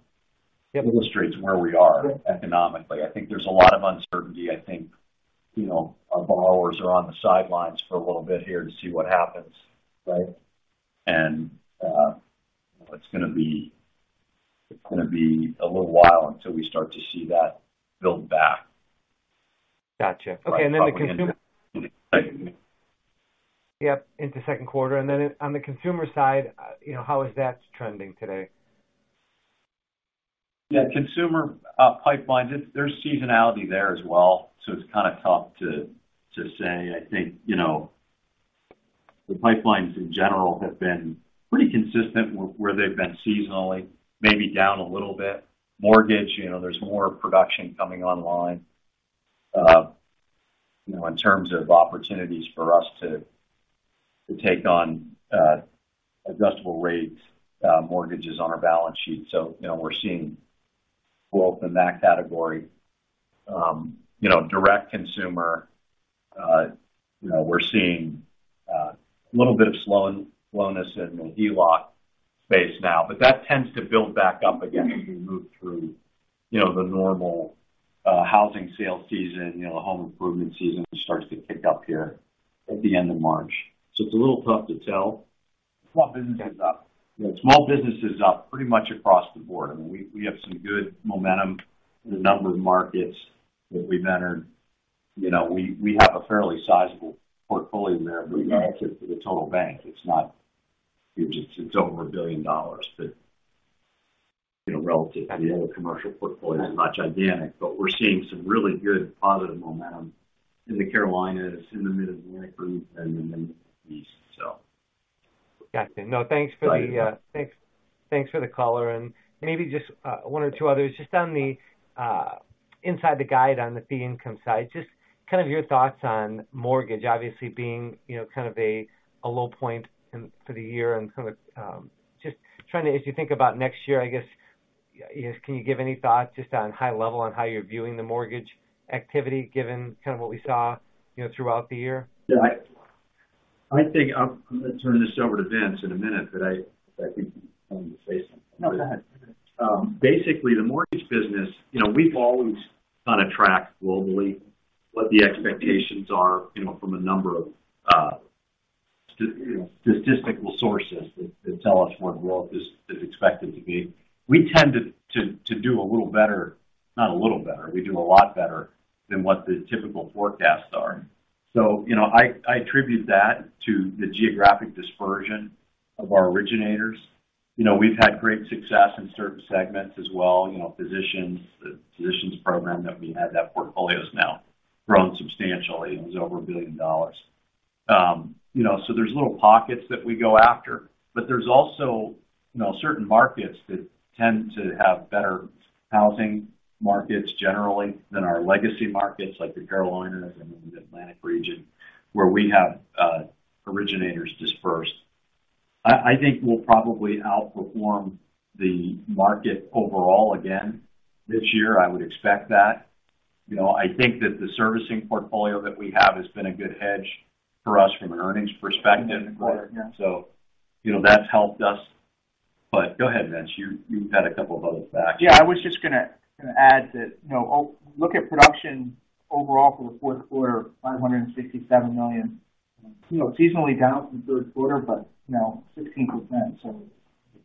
illustrates where we are economically. I think there's a lot of uncertainty. I think, you know, our borrowers are on the sidelines for a little bit here to see what happens, right? It's gonna be a little while until we start to see that build back. Gotcha. Okay. Yep, into second quarter. On the consumer side, you know, how is that trending today? Yeah. Consumer pipelines, there's seasonality there as well, so it's kind of tough to say. I think, you know, the pipelines in general have been pretty consistent with where they've been seasonally, maybe down a little bit. Mortgage, you know, there's more production coming online, you know, in terms of opportunities for us to take on adjustable rates, mortgages on our balance sheet. You know, we're seeing growth in that category. You know, direct consumer, you know, we're seeing a little bit of slowness in the HELOC space now, but that tends to build back up again as we move through, you know, the normal housing sales season. You know, home improvement season starts to kick up here at the end of March. It's a little tough to tell. Small business is up. Small business is up pretty much across the board. I mean, we have some good momentum in a number of markets that we've entered. You know, we have a fairly sizable portfolio there relative to the total bank. It's not huge. It's over $1 billion, but, you know, relative to the other commercial portfolios, not gigantic. We're seeing some really good positive momentum in the Carolinas, in the Mid-Atlantic region and in the [Middle East.] Got you. No, thanks for the color. Maybe just one or two others. Just on the inside the guide on the fee income side, just kind of your thoughts on mortgage obviously being, you know, kind of a low point for the year and kind of, just trying to, as you think about next year, I guess, can you give any thoughts just on high level on how you're viewing the mortgage activity given kind of what we saw, you know, throughout the year? Yeah. I think I'm gonna turn this over to Vince in a minute, but I think you wanted to say something. No, go ahead. Basically the mortgage business, you know, we've always kind of tracked globally what the expectations are, you know, from a number of you know, statistical sources that tell us what growth is expected to be. We tend to do a little better, not a little better. We do a lot better than what the typical forecasts are. You know, I attribute that to the geographic dispersion of our originators. You know, we've had great success in certain segments as well. You know, Physicians, the Physicians program that we had, that portfolio's now grown substantially. It was over $1 billion. You know, there's little pockets that we go after. There's also, you know, certain markets that tend to have better housing markets generally than our legacy markets like the Carolinas and the Mid-Atlantic region, where we have originators dispersed. I think we'll probably outperform the market overall again this year. I would expect that. You know, I think that the servicing portfolio that we have has been a good hedge for us from an earnings perspective. Right. Yeah. you know, that's helped us. Go ahead, Vince. You had a couple of other facts. I was just gonna add that, you know, look at production overall for the fourth quarter, $567 million. You know, seasonally down from third quarter, you know, 16%. It's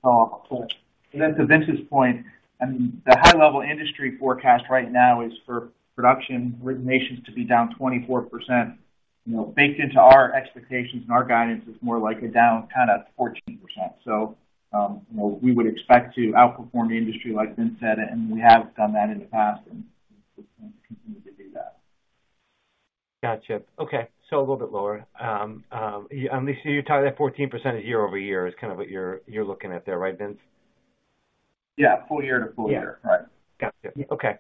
all close. To Vince's point, I mean, the high level industry forecast right now is for production originations to be down 24%. You know, baked into our expectations and our guidance is more like a down kind of 14%. You know, we would expect to outperform the industry like Vince said, and we have done that in the past and we plan to continue to do that. Gotcha. Okay. A little bit lower. At least you're talking that 14% year-over-year is kind of what you're looking at there, right, Vince? Yeah, full year to full year. Yeah. Right. Gotcha. Okay,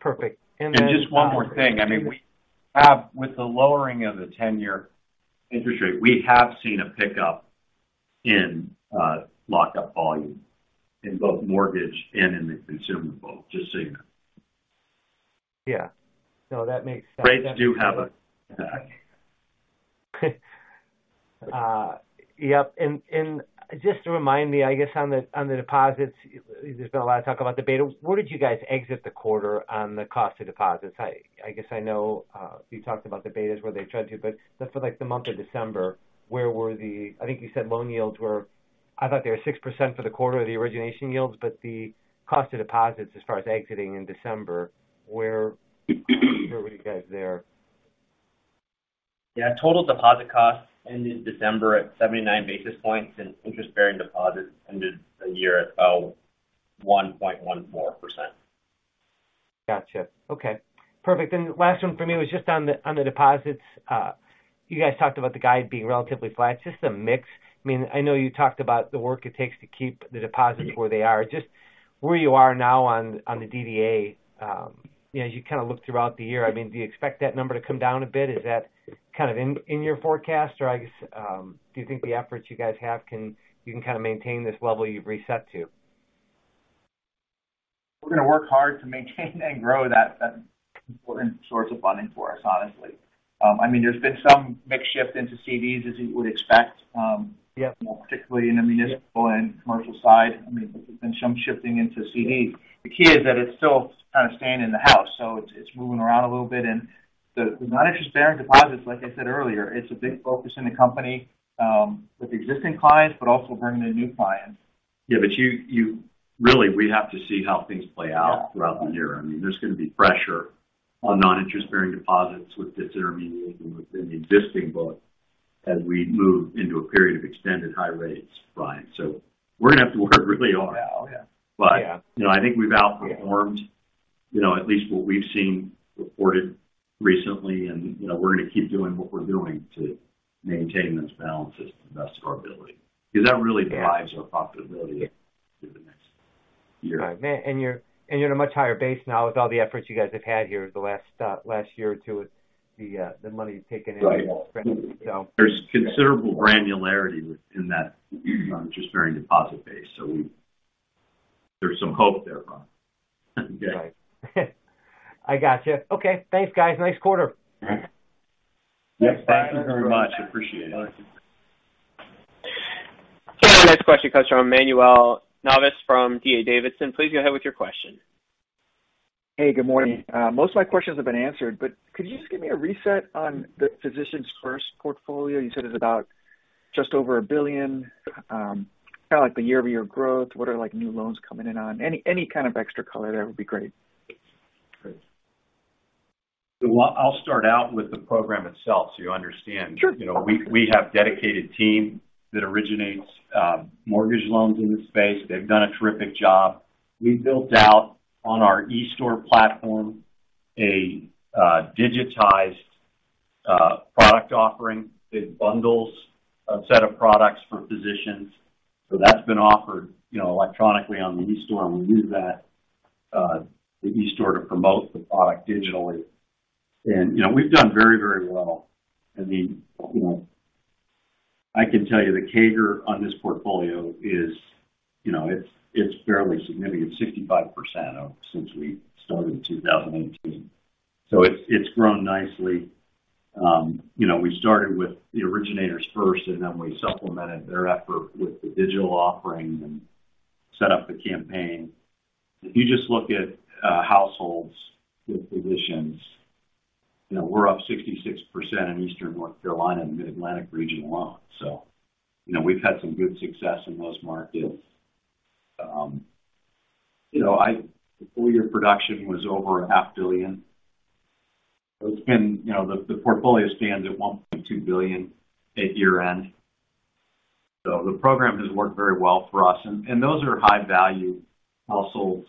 perfect. then- Just one more thing. I mean, we have with the lowering of the 10-year interest rate, we have seen a pickup in lockup volume in both mortgage and in the consumer book, just so you know. Yeah. No, that makes sense. Rates do have an impact. Yep. Just to remind me, I guess, on the deposits, there's been a lot of talk about the beta. Where did you guys exit the quarter on the cost of deposits? I guess I know you talked about the betas where they trend to, but just for, like, the month of December, I think you said loan yields were I thought they were 6% for the quarter of the origination yields, but the cost of deposits as far as exiting in December, where were you guys there? Yeah, total deposit costs ended December at 79 basis points, and interest-bearing deposits ended the year at 1.14%. Gotcha. Okay, perfect. Last one for me was just on the deposits. You guys talked about the guide being relatively flat, just the mix. I mean, I know you talked about the work it takes to keep the deposits where they are. Just where you are now on the DDA, you know, as you kind of look throughout the year, I mean, do you expect that number to come down a bit? Is that kind of in your forecast? I guess, do you think the efforts you guys have, you can kind of maintain this level you've reset to? We're gonna work hard to maintain and grow that important source of funding for us, honestly. I mean, there's been some mix shift into CDs as you would expect, Yep... you know, particularly in the municipal and commercial side. I mean, there's been some shifting into CDs. The key is that it's still kind of staying in the house, so it's moving around a little bit. The non-interest bearing deposits, like I said earlier, it's a big focus in the company, with existing clients, but also bringing in new clients. Yeah, you really we have to see how things play out throughout the year. I mean, there's gonna be pressure on non-interest bearing deposits with disintermediation within the existing book as we move into a period of extended high rates, Brian. We're gonna have to work really hard. Yeah. You know, I think we've outperformed, you know, at least what we've seen reported recently. You know, we're gonna keep doing what we're doing to maintain those balances to the best of our ability, because that really drives our profitability through the next year. Right. You're in a much higher base now with all the efforts you guys have had here the last year or 2 with the money you've taken in. Right. So... There's considerable granularity within that non-interest bearing deposit base. There's some hope there, Brian. Right. I gotcha. Okay. Thanks, guys. Nice quarter. All right. Yes, thank you very much. Appreciate it. All right. Our next question comes from Manuel Navas from D.A. Davidson. Please go ahead with your question. Hey, good morning. Most of my questions have been answered, but could you just give me a reset on the Physicians First portfolio? You said it's about just over $1 billion, kind of like the year-over-year growth. What are, like, new loans coming in on? Any kind of extra color there would be great. I'll start out with the program itself so you understand. Sure. You know, we have dedicated team that originates mortgage loans in this space. They've done a terrific job. We built out on our eStore platform a digitized product offering that bundles a set of products for physicians. That's been offered, you know, electronically on the eStore, and we use that the eStore to promote the product digitally. You know, we've done very, very well. I mean, you know, I can tell you the CAGR on this portfolio is, it's fairly significant, 65% since we started in 2018. It's grown nicely. You know, we started with the originators first, then we supplemented their effort with the digital offering and set up the campaign. If you just look at, households with physicians, you know, we're up 66% in Eastern North Carolina and Mid-Atlantic region alone. You know, we've had some good success in those markets. You know, full year production was over a half billion. It's been, you know, the portfolio stands at $1.2 billion at year-end. The program has worked very well for us. Those are high value households,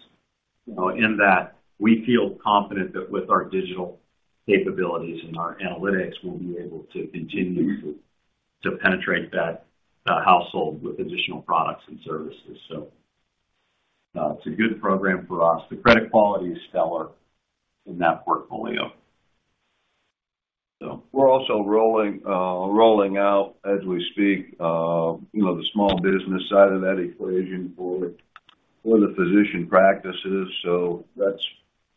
you know, in that we feel confident that with our digital capabilities and our analytics, we'll be able to continue to penetrate that household with additional products and services. It's a good program for us. The credit quality is stellar in that portfolio. We're also rolling out as we speak, you know, the small business side of that equation for the physician practices.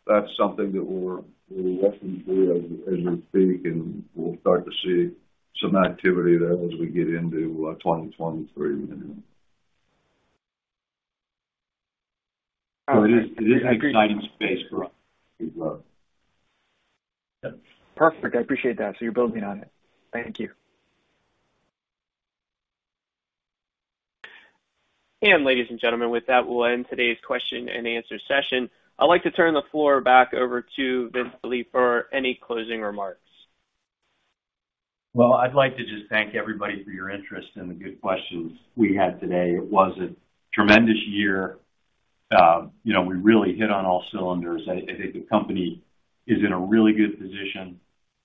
That's something that we're working through as we speak, and we'll start to see some activity there as we get into 2023. It is an exciting space for us as well. Perfect. I appreciate that. You're building on it. Thank you. With that, we'll end today's question and answer session. I'd like to turn the floor back over to Vince Delie for any closing remarks. Well, I'd like to just thank everybody for your interest and the good questions we had today. It was a tremendous year. you know, we really hit on all cylinders. I think the company is in a really good position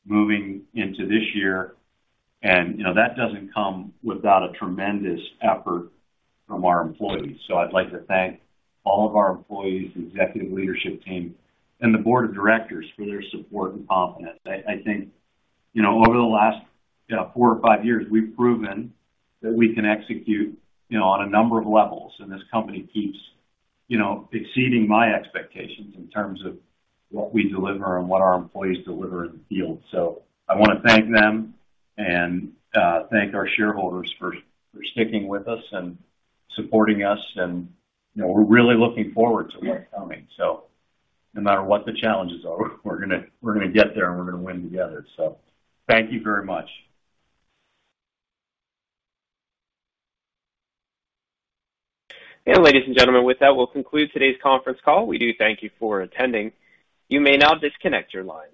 moving into this year. you know, that doesn't come without a tremendous effort from our employees. I'd like to thank all of our employees, executive leadership team, and the board of directors for their support and confidence. I think, you know, over the last 4 or 5 years, we've proven that we can execute, you know, on a number of levels, and this company keeps, you know, exceeding my expectations in terms of what we deliver and what our employees deliver in the field. I wanna thank them and thank our shareholders for sticking with us and supporting us and, you know, we're really looking forward to what's coming. No matter what the challenges are, we're gonna get there, and we're gonna win together. Thank you very much. Ladies and gentlemen, with that, we'll conclude today's conference call. We do thank you for attending. You may now disconnect your lines.